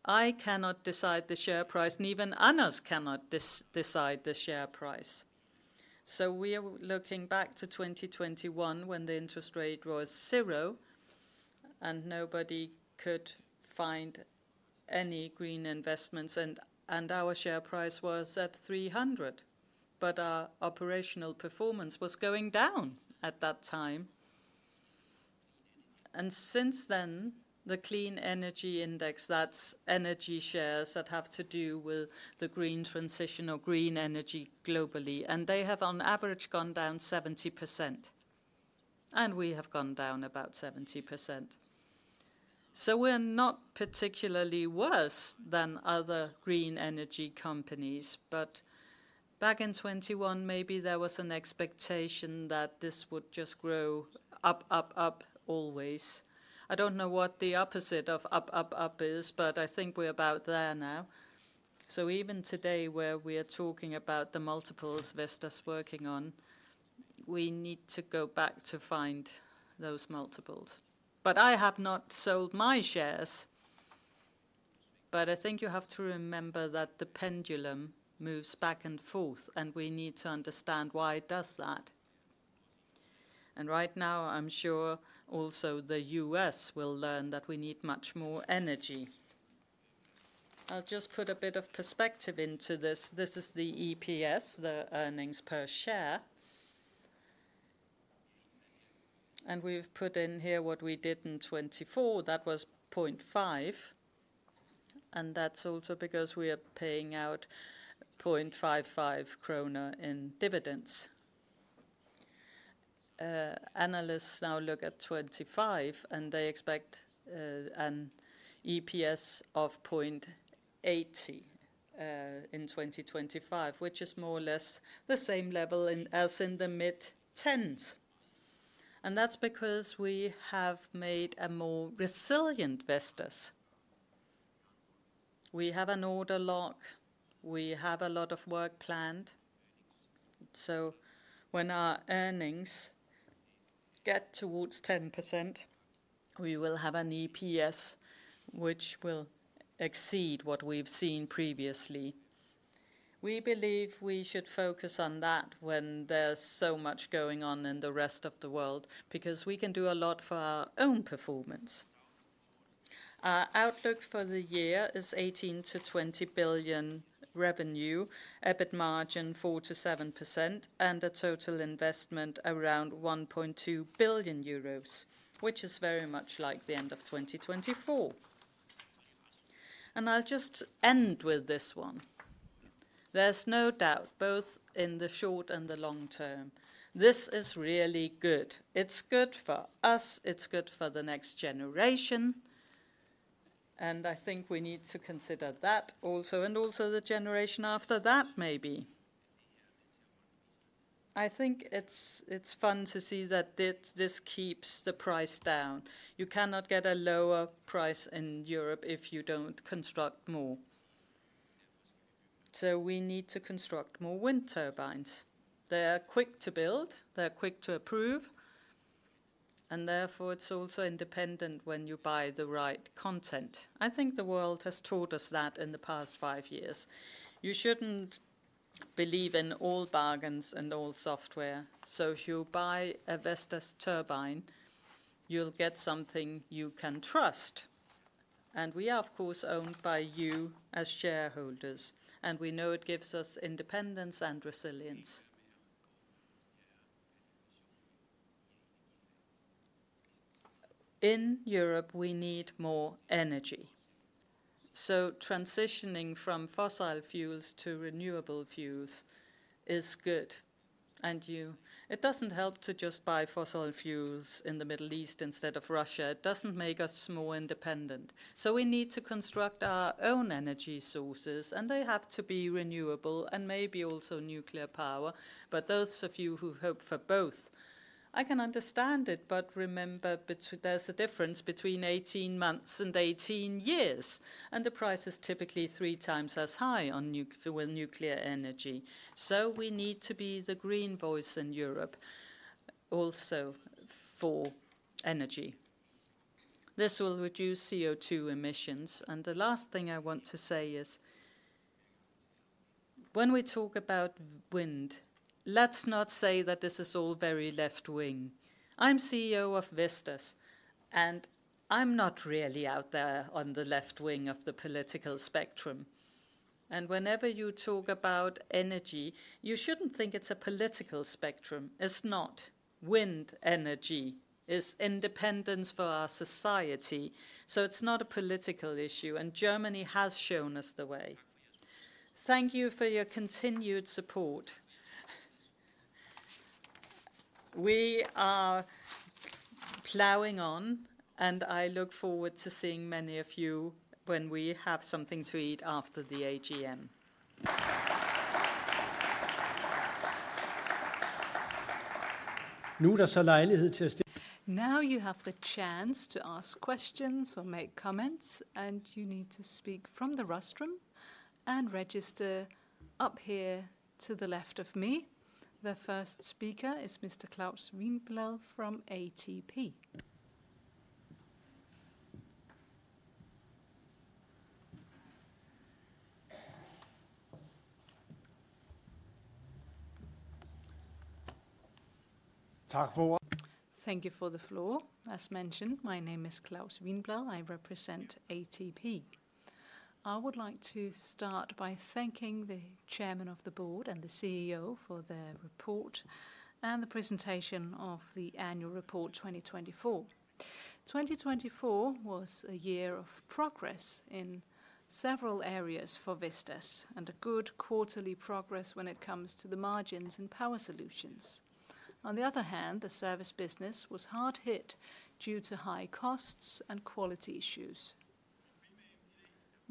Speaker 6: I cannot decide the share price, and even Anders cannot decide the share price. We are looking back to 2021 when the interest rate was zero and nobody could find any green investments, and our share price was at 300, but our operational performance was going down at that time. Since then, the clean energy index, that's energy shares that have to do with the green transition or green energy globally, and they have on average gone down 70%, and we have gone down about 70%. We're not particularly worse than other green energy companies, but back in 2021, maybe there was an expectation that this would just grow up, up, up always. I don't know what the opposite of up, up, up is, but I think we're about there now. Even today where we are talking about the multiples Vestas is working on, we need to go back to find those multiples. I have not sold my shares, but I think you have to remember that the pendulum moves back and forth, and we need to understand why it does that. Right now, I'm sure also the U.S. will learn that we need much more energy. I'll just put a bit of perspective into this. This is the EPS, the earnings per share. We've put in here what we did in 2024. That was 0.5, and that's also because we are paying out 0.55 krone in dividends. Analysts now look at 2025, and they expect an EPS of 0.80 in 2025, which is more or less the same level as in the mid-2010s. That's because we have made a more resilient Vestas. We have an order lock. We have a lot of work planned. When our earnings get towards 10%, we will have an EPS which will exceed what we've seen previously. We believe we should focus on that when there's so much going on in the rest of the world because we can do a lot for our own performance. Our outlook for the year is 18 billion-20 billion revenue, EBIT margin 4%-7%, and a total investment around 1.2 billion euros, which is very much like the end of 2024. I'll just end with this one. There's no doubt, both in the short and the long term, this is really good. It's good for us. It's good for the next generation. I think we need to consider that also, and also the generation after that maybe. I think it's fun to see that this keeps the price down. You cannot get a lower price in Europe if you don't construct more. We need to construct more wind turbines. They are quick to build. They are quick to approve. Therefore, it's also independent when you buy the right content. I think the world has taught us that in the past five years. You shouldn't believe in all bargains and all software. If you buy a Vestas turbine, you'll get something you can trust. We are, of course, owned by you as shareholders, and we know it gives us independence and resilience. In Europe, we need more energy. Transitioning from fossil fuels to renewable fuels is good. It does not help to just buy fossil fuels in the Middle East instead of Russia. It does not make us more independent. We need to construct our own energy sources, and they have to be renewable and maybe also nuclear power. Those of you who hope for both, I can understand it, but remember there is a difference between 18 months and 18 years, and the price is typically three times as high on nuclear energy. We need to be the green voice in Europe also for energy. This will reduce CO2 emissions. The last thing I want to say is when we talk about wind, let's not say that this is all very left wing. I'm CEO of Vestas, and I'm not really out there on the left wing of the political spectrum. Whenever you talk about energy, you shouldn't think it's a political spectrum. It's not. Wind energy is independence for our society. It's not a political issue. Germany has shown us the way. Thank you for your continued support. We are plowing on, and I look forward to seeing many of you when we have something to eat after the AGM.
Speaker 7: Now you have the chance to ask questions or make comments, and you need to speak from the restroom and register up here to the left of me. The first speaker is Mr. Claus Wiinblad from ATP.
Speaker 8: Thank you for the floor. As mentioned, my name is Claus Wiinblad. I represent ATP. I would like to start by thanking the Chairman of the Board and the CEO for their report and the presentation of the Annual Report 2024. 2024 was a year of progress in several areas for Vestas and a good quarterly progress when it comes to the margins and Power Solutions. On the other hand, the Service business was hard hit due to high costs and quality issues.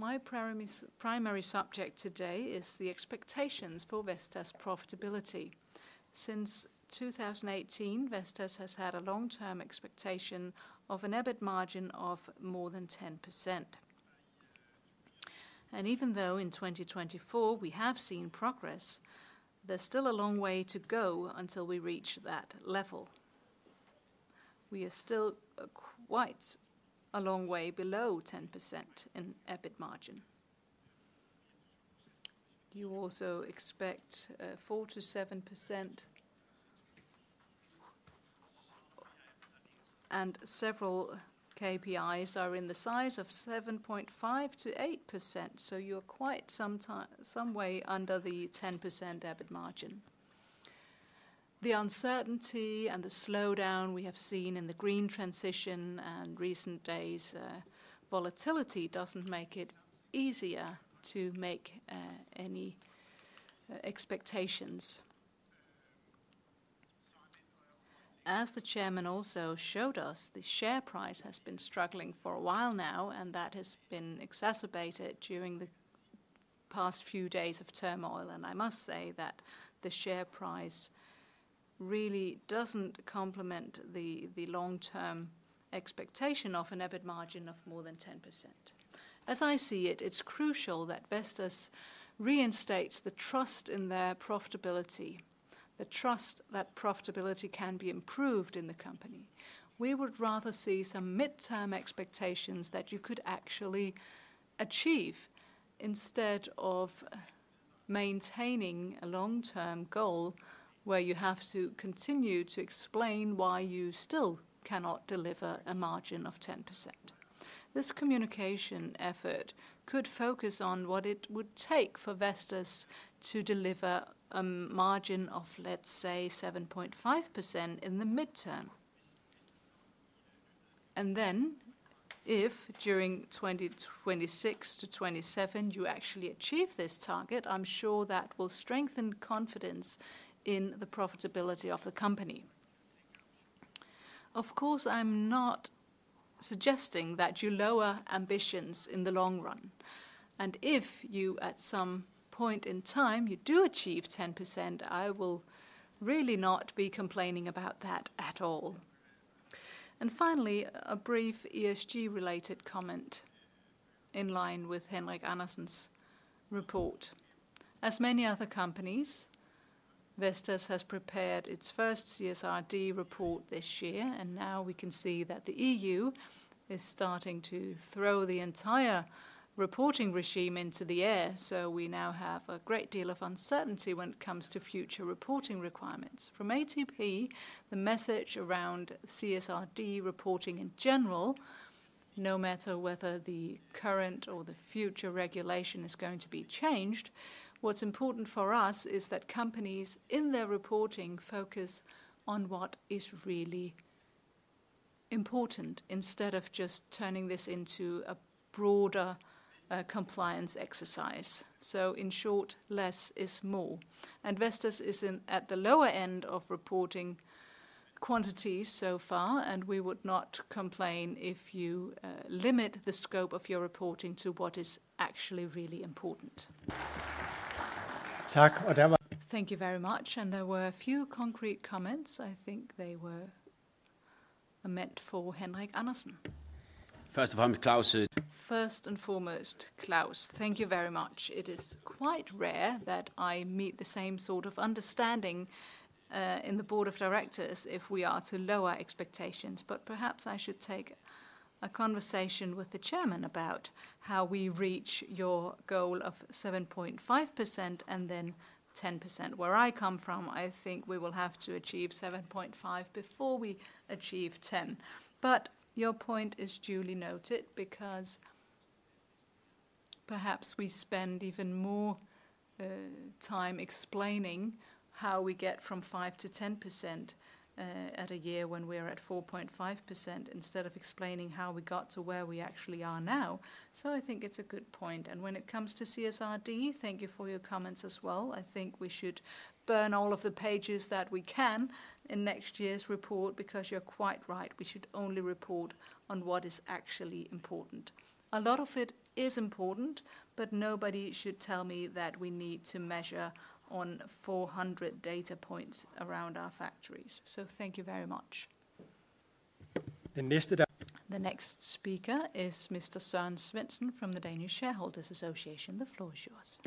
Speaker 8: My primary subject today is the expectations for Vestas' profitability. Since 2018, Vestas has had a long-term expectation of an EBIT margin of more than 10%. Even though in 2024 we have seen progress, there's still a long way to go until we reach that level.
Speaker 6: We are still quite a long way below 10% in EBIT margin. You also expect 4-7%, and several KPIs are in the size of 7.5-8%. You are quite some way under the 10% EBIT margin. The uncertainty and the slowdown we have seen in the green transition and recent days' volatility does not make it easier to make any expectations. As the Chairman also showed us, the share price has been struggling for a while now, and that has been exacerbated during the past few days of turmoil. I must say that the share price really does not complement the long-term expectation of an EBIT margin of more than 10%. As I see it, it is crucial that Vestas reinstates the trust in their profitability, the trust that profitability can be improved in the company. We would rather see some mid-term expectations that you could actually achieve instead of maintaining a long-term goal where you have to continue to explain why you still cannot deliver a margin of 10%. This communication effort could focus on what it would take for Vestas to deliver a margin of, let's say, 7.5% in the midterm. If during 2026 to 2027 you actually achieve this target, I'm sure that will strengthen confidence in the profitability of the company. Of course, I'm not suggesting that you lower ambitions in the long run. If you at some point in time do achieve 10%, I will really not be complaining about that at all.
Speaker 8: Finally, a brief ESG-related comment in line with Henrik Andersen's report. As many other companies, Vestas has prepared its first CSRD report this year, and now we can see that the EU is starting to throw the entire reporting regime into the air. We now have a great deal of uncertainty when it comes to future reporting requirements. From ATP, the message around CSRD reporting in general, no matter whether the current or the future regulation is going to be changed, what's important for us is that companies in their reporting focus on what is really important instead of just turning this into a broader compliance exercise. In short, less is more. Vestas is at the lower end of reporting quantity so far, and we would not complain if you limit the scope of your reporting to what is actually really important.
Speaker 3: Thank you very much. There were a few concrete comments. I think they were meant for Henrik Andersen.
Speaker 6: First of all, Claus. First and foremost, Claus, thank you very much. It is quite rare that I meet the same sort of understanding in the Board of Directors if we are to lower expectations. Perhaps I should take a conversation with the Chairman about how we reach your goal of 7.5% and then 10%. Where I come from, I think we will have to achieve 7.5% before we achieve 10%. Your point is duly noted because perhaps we spend even more time explaining how we get from 5% to 10% at a year when we are at 4.5% instead of explaining how we got to where we actually are now. I think it's a good point. When it comes to CSRD, thank you for your comments as well. I think we should burn all of the pages that we can in next year's report because you're quite right. We should only report on what is actually important. A lot of it is important, but nobody should tell me that we need to measure on 400 data points around our factories. Thank you very much.
Speaker 7: The next speaker is Mr. Søren Svendsen from the Danish Shareholders’ Association. The floor is yours.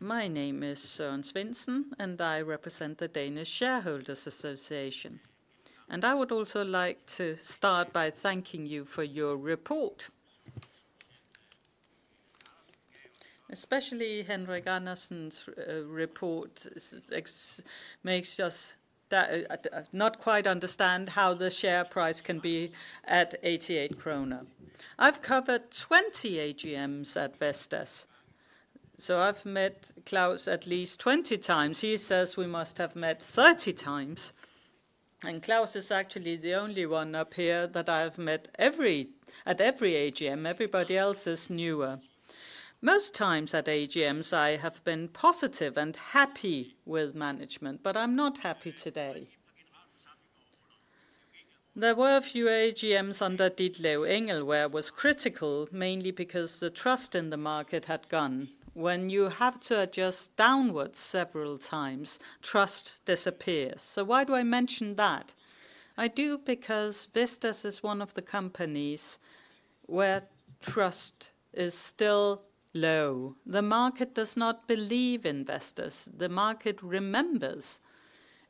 Speaker 9: My name is Søren Svendsen, and I represent the Danish Shareholders’ Association. I would also like to start by thanking you for your report. Especially Henrik Andersen's report makes us not quite understand how the share price can be at 88 kroner. I've covered 20 AGMs at Vestas. I have met Claus at least 20 times. He says we must have met 30 times. Claus is actually the only one up here that I have met at every AGM. Everybody else is newer. Most times at AGMs, I have been positive and happy with management, but I'm not happy today. There were a few AGMs under Didlev Engel, where I was critical, mainly because the trust in the market had gone. When you have to adjust downwards several times, trust disappears. Why do I mention that? I do because Vestas is one of the companies where trust is still low. The market does not believe in Vestas. The market remembers.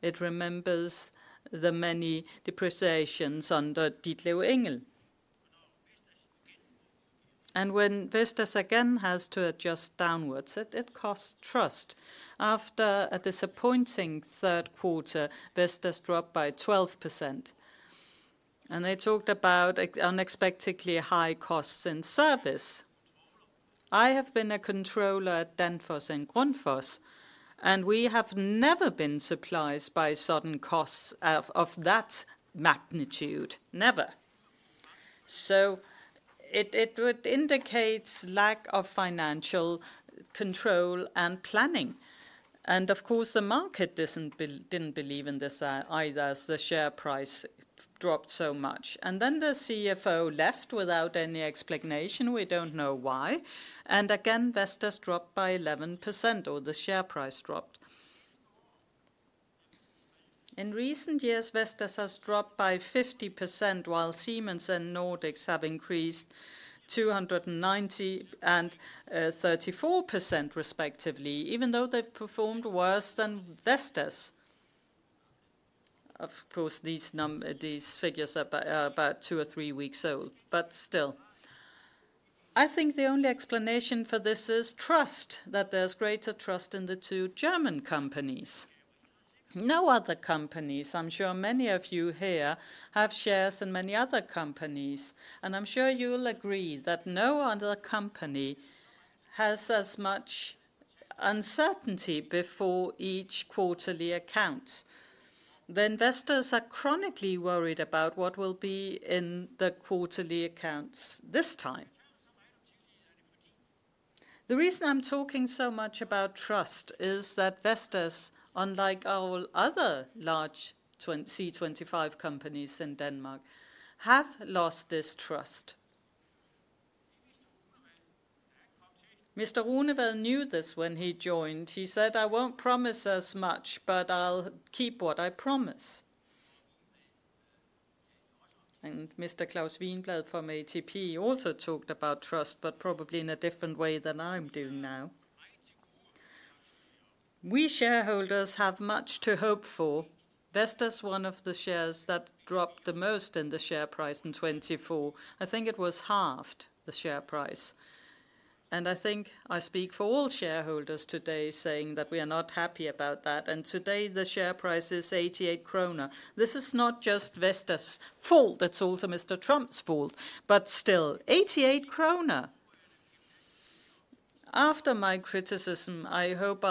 Speaker 9: It remembers the many depreciations under Didlev Engel. When Vestas again has to adjust downwards, it costs trust. After a disappointing third quarter, Vestas dropped by 12%. They talked about unexpectedly high costs in service. I have been a controller at Danfoss and Grundfos, and we have never been surprised by sudden costs of that magnitude. Never. It would indicate lack of financial control and planning. Of course, the market did not believe in this either as the share price dropped so much. The CFO left without any explanation. We do not know why. Vestas dropped by 11% or the share price dropped. In recent years, Vestas has dropped by 50% while Siemens and Nordics have increased 290% and 34%, respectively, even though they have performed worse than Vestas. These figures are about two or three weeks old, but still. I think the only explanation for this is trust, that there is greater trust in the two German companies. No other companies—I am sure many of you here have shares in many other companies—and I am sure you will agree that no other company has as much uncertainty before each quarterly account. The investors are chronically worried about what will be in the quarterly accounts this time. The reason I am talking so much about trust is that Vestas, unlike all other large C25 companies in Denmark, have lost this trust. Mr. Runevad knew this when he joined. He said, "I will not promise as much, but I will keep what I promise." Mr. Claus Almer from ATP also talked about trust, but probably in a different way than I am doing now. We shareholders have much to hope for. Vestas is one of the shares that dropped the most in the share price in 2024. I think it was halved, the share price. I think I speak for all shareholders today saying that we are not happy about that. Today the share price is 88 kroner. This is not just Vestas' fault. It is also Mr. Trump's fault. Still, 88 kroner. After my criticism, I hope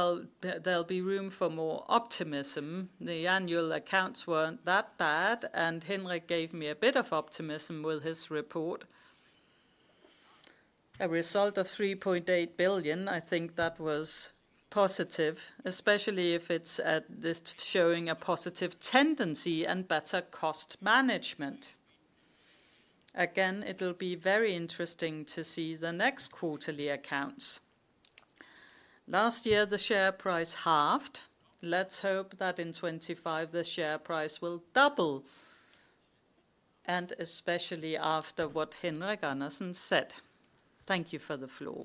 Speaker 9: there will be room for more optimism. The annual accounts were not that bad, and Henrik gave me a bit of optimism with his report. A result of 3.8 billion, I think that was positive, especially if it is showing a positive tendency and better cost management. Again, it will be very interesting to see the next quarterly accounts. Last year, the share price halved. Let's hope that in 2025, the share price will double, and especially after what Henrik Andersen said. Thank you for the floor.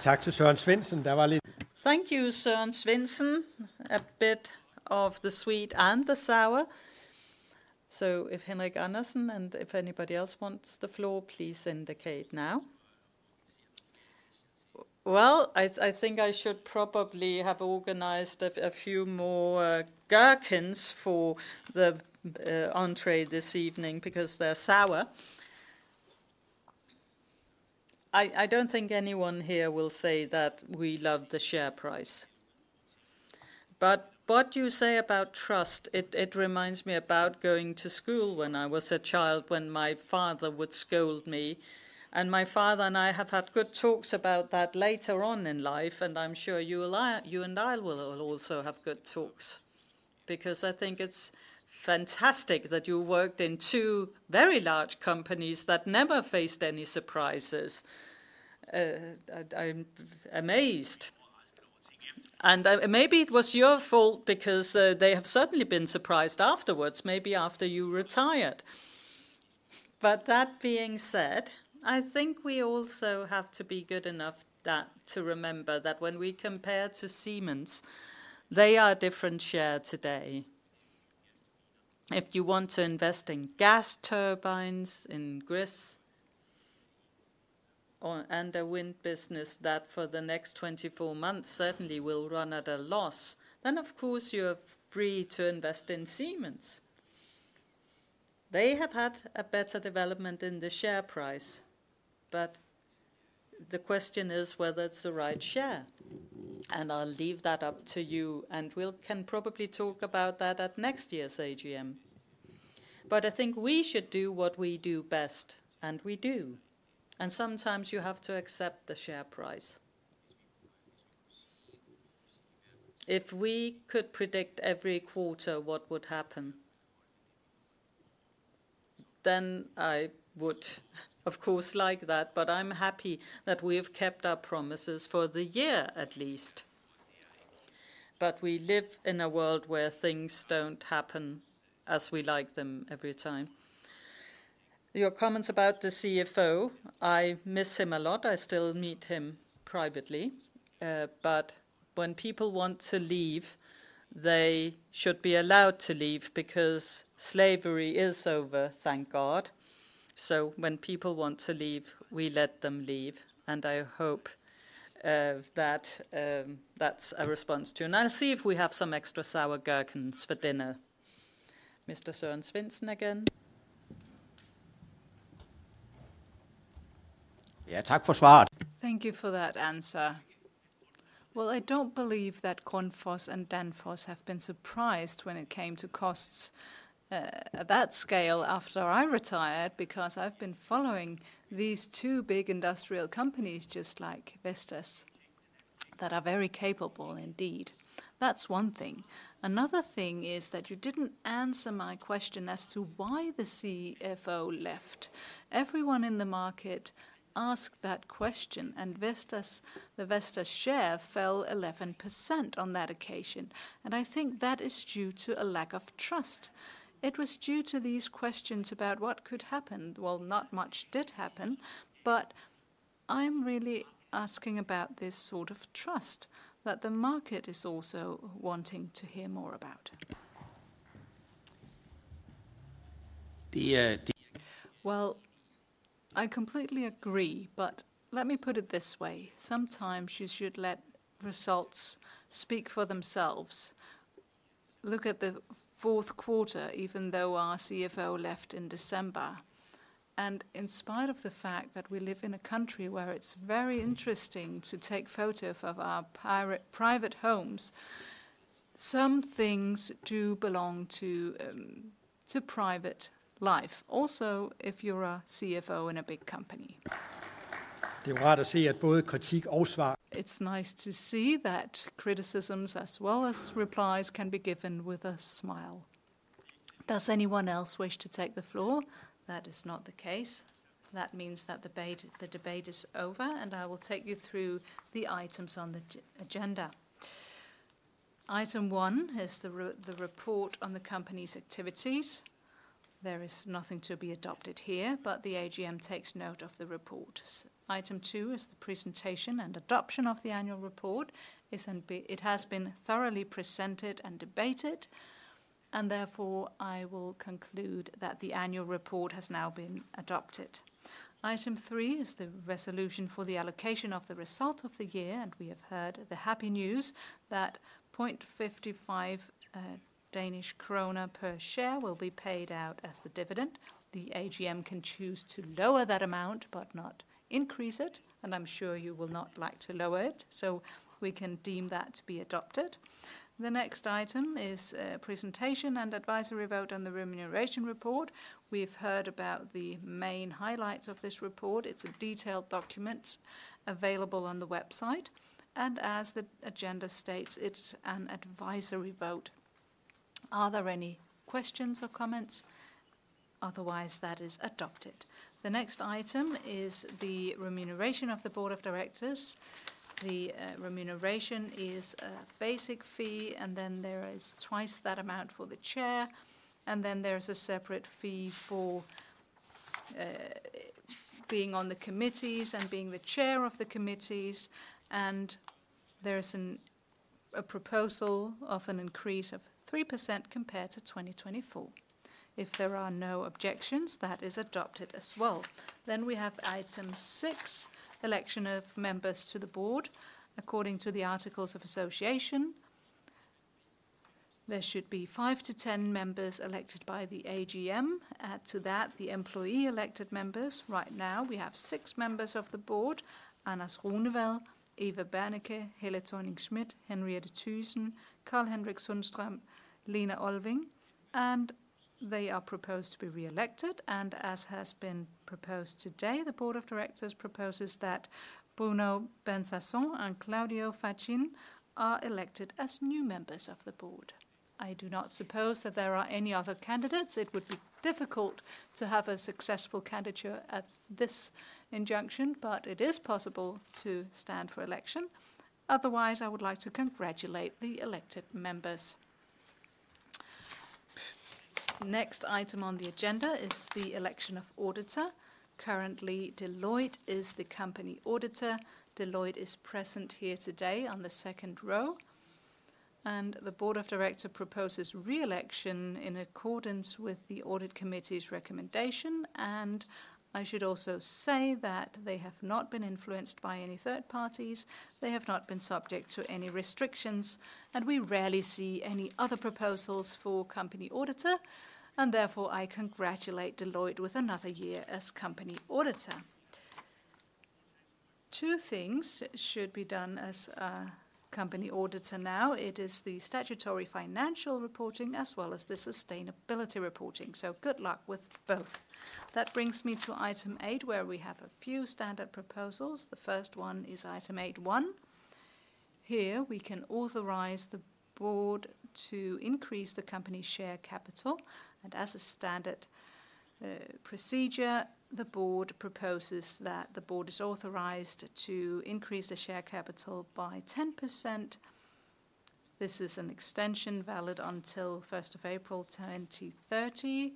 Speaker 3: Thank you, Søren Svendsen, a bit of the sweet and the sour. If Henrik Andersen and if anybody else wants the floor, please indicate now. I think I should probably have organized a few more gherkins for the entree this evening because they're sour. I do not think anyone here will say that we love the share price. What you say about trust, it reminds me about going to school when I was a child when my father would scold me. My father and I have had good talks about that later on in life, and I am sure you and I will also have good talks because I think it is fantastic that you worked in two very large companies that never faced any surprises. I am amazed. Maybe it was your fault because they have certainly been surprised afterwards, maybe after you retired. That being said, I think we also have to be good enough to remember that when we compare to Siemens, they are a different share today. If you want to invest in gas turbines, in grists, and a wind business that for the next 24 months certainly will run at a loss, then of course you're free to invest in Siemens. They have had a better development in the share price, but the question is whether it's the right share. I'll leave that up to you, and we can probably talk about that at next year's AGM. I think we should do what we do best, and we do. Sometimes you have to accept the share price. If we could predict every quarter what would happen, I would, of course, like that. I am happy that we have kept our promises for the year at least. We live in a world where things do not happen as we like them every time. Your comments about the CFO, I miss him a lot. I still meet him privately. When people want to leave, they should be allowed to leave because slavery is over, thank God. When people want to leave, we let them leave. I hope that is a response to you. I will see if we have some extra sour gherkins for dinner.
Speaker 7: Mr. Søren Svendsen again.
Speaker 9: Thank you for that answer. I don't believe that Grundfos and Danfoss have been surprised when it came to costs at that scale after I retired because I've been following these two big industrial companies just like Vestas that are very capable indeed. That's one thing. Another thing is that you didn't answer my question as to why the CFO left. Everyone in the market asked that question, and the Vestas share fell 11% on that occasion. I think that is due to a lack of trust. It was due to these questions about what could happen. Not much did happen, but I'm really asking about this sort of trust that the market is also wanting to hear more about.
Speaker 3: I completely agree, but let me put it this way. Sometimes you should let results speak for themselves. Look at the fourth quarter, even though our CFO left in December. In spite of the fact that we live in a country where it's very interesting to take photos of our private homes, some things do belong to private life. Also, if you're a CFO in a big company. It's nice to see that criticisms as well as replies can be given with a smile. Does anyone else wish to take the floor? That is not the case. That means that the debate is over, and I will take you through the items on the agenda. Item one is the report on the company's activities. There is nothing to be adopted here, but the AGM takes note of the report. Item two is the presentation and adoption of the annual report. It has been thoroughly presented and debated, and therefore I will conclude that the annual report has now been adopted. Item three is the resolution for the allocation of the result of the year, and we have heard the happy news that 0.55 Danish krone per share will be paid out as the dividend. The AGM can choose to lower that amount but not increase it, and I'm sure you will not like to lower it, so we can deem that to be adopted. The next item is presentation and advisory vote on the remuneration report. We've heard about the main highlights of this report. It's a detailed document available on the website. As the agenda states, it's an advisory vote. Are there any questions or comments? Otherwise, that is adopted. The next item is the remuneration of the board of directors. The remuneration is a basic fee, and then there is twice that amount for the chair, and then there is a separate fee for being on the committees and being the chair of the committees. There is a proposal of an increase of 3% compared to 2024. If there are no objections, that is adopted as well. We have item six, election of members to the board. According to the articles of association, there should be 5-10 members elected by the AGM. Add to that the employee-elected members. Right now, we have six members of the board: Anders Runevad, Eva Berneke, Hilde Tønning Schmidt, Henriette Thuesen, Carl-Henrik Sundström, Lina Olving. They are proposed to be re-elected. As has been proposed today, the board of directors proposes that Bruno Bensasson and Claudio Fachin are elected as new members of the board. I do not suppose that there are any other candidates. It would be difficult to have a successful candidature at this juncture, but it is possible to stand for election. Otherwise, I would like to congratulate the elected members. The next item on the agenda is the election of auditor. Currently, Deloitte is the company auditor. Deloitte is present here today on the second row. The board of directors proposes re-election in accordance with the audit committee's recommendation. I should also say that they have not been influenced by any third parties. They have not been subject to any restrictions. We rarely see any other proposals for company auditor. Therefore, I congratulate Deloitte with another year as company auditor. Two things should be done as a company auditor now. It is the statutory financial reporting as well as the sustainability reporting. Good luck with both. That brings me to item eight, where we have a few standard proposals. The first one is item eight one. Here, we can authorize the board to increase the company's share capital. As a standard procedure, the board proposes that the board is authorized to increase the share capital by 10%. This is an extension valid until 1st of April 2030,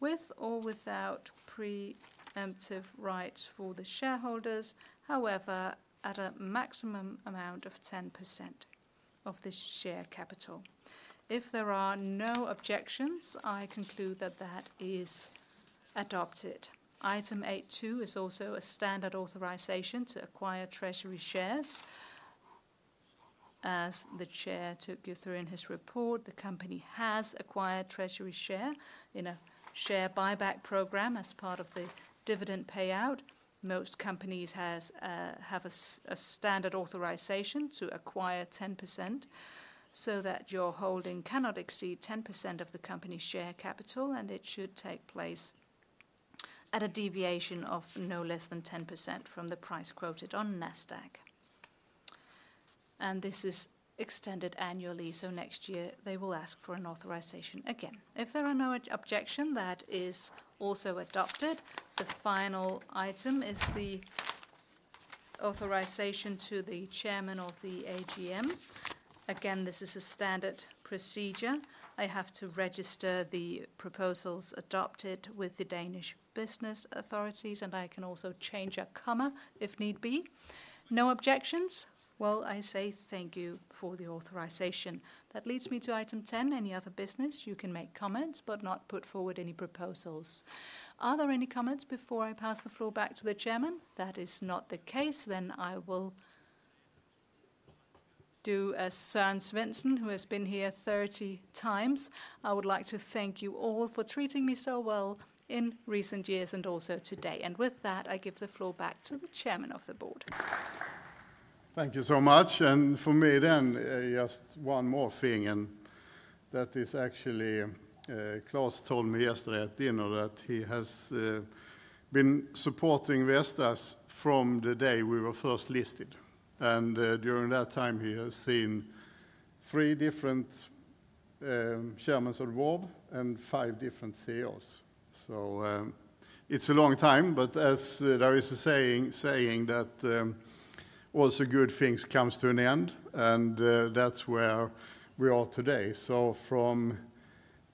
Speaker 3: with or without preemptive rights for the shareholders, however, at a maximum amount of 10% of the share capital. If there are no objections, I conclude that that is adopted. Item eight two is also a standard authorization to acquire treasury shares. As the chair took you through in his report, the company has acquired treasury shares in a share buyback program as part of the dividend payout. Most companies have a standard authorization to acquire 10% so that your holding cannot exceed 10% of the company's share capital, and it should take place at a deviation of no less than 10% from the price quoted on NASDAQ. This is extended annually, so next year they will ask for an authorization again. If there are no objections, that is also adopted. The final item is the authorization to the Chairman of the AGM. Again, this is a standard procedure. I have to register the proposals adopted with the Danish business authorities, and I can also change a comma if need be. No objections? I say thank you for the authorization. That leads me to item ten. Any other business? You can make comments but not put forward any proposals. Are there any comments before I pass the floor back to the Chairman? That is not the case. I will do as Søren Svendsen, who has been here 30 times. I would like to thank you all for treating me so well in recent years and also today. With that, I give the floor back to the Chairman of the Board.
Speaker 1: Thank you so much. For me, just one more thing. Liveris told me yesterday at dinner that he has been supporting Vestas from the day we were first listed. During that time, he has seen three different Chairmen of the Board and five different CEOs. It is a long time, but as there is a saying that also good things come to an end, that is where we are today.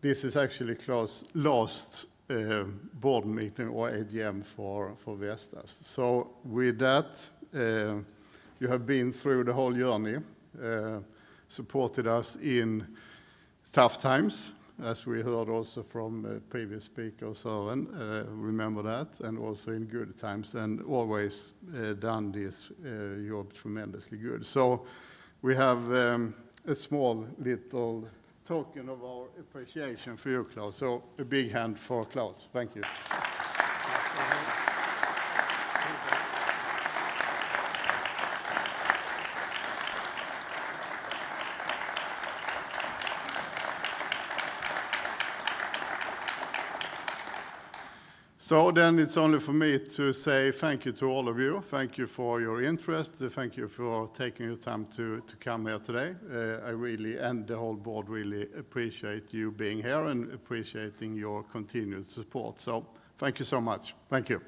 Speaker 1: This is actually Liveris's last board meeting or AGM for Vestas. With that, you have been through the whole journey, supported us in tough times, as we heard also from previous speakers, so remember that, and also in good times, and always done this job tremendously good. We have a small little token of our appreciation for you, Claus. A big hand for Claus. Thank you. It is only for me to say thank you to all of you. Thank you for your interest. Thank you for taking your time to come here today. I really, and the whole board really appreciate you being here and appreciating your continued support. Thank you so much. Thank you.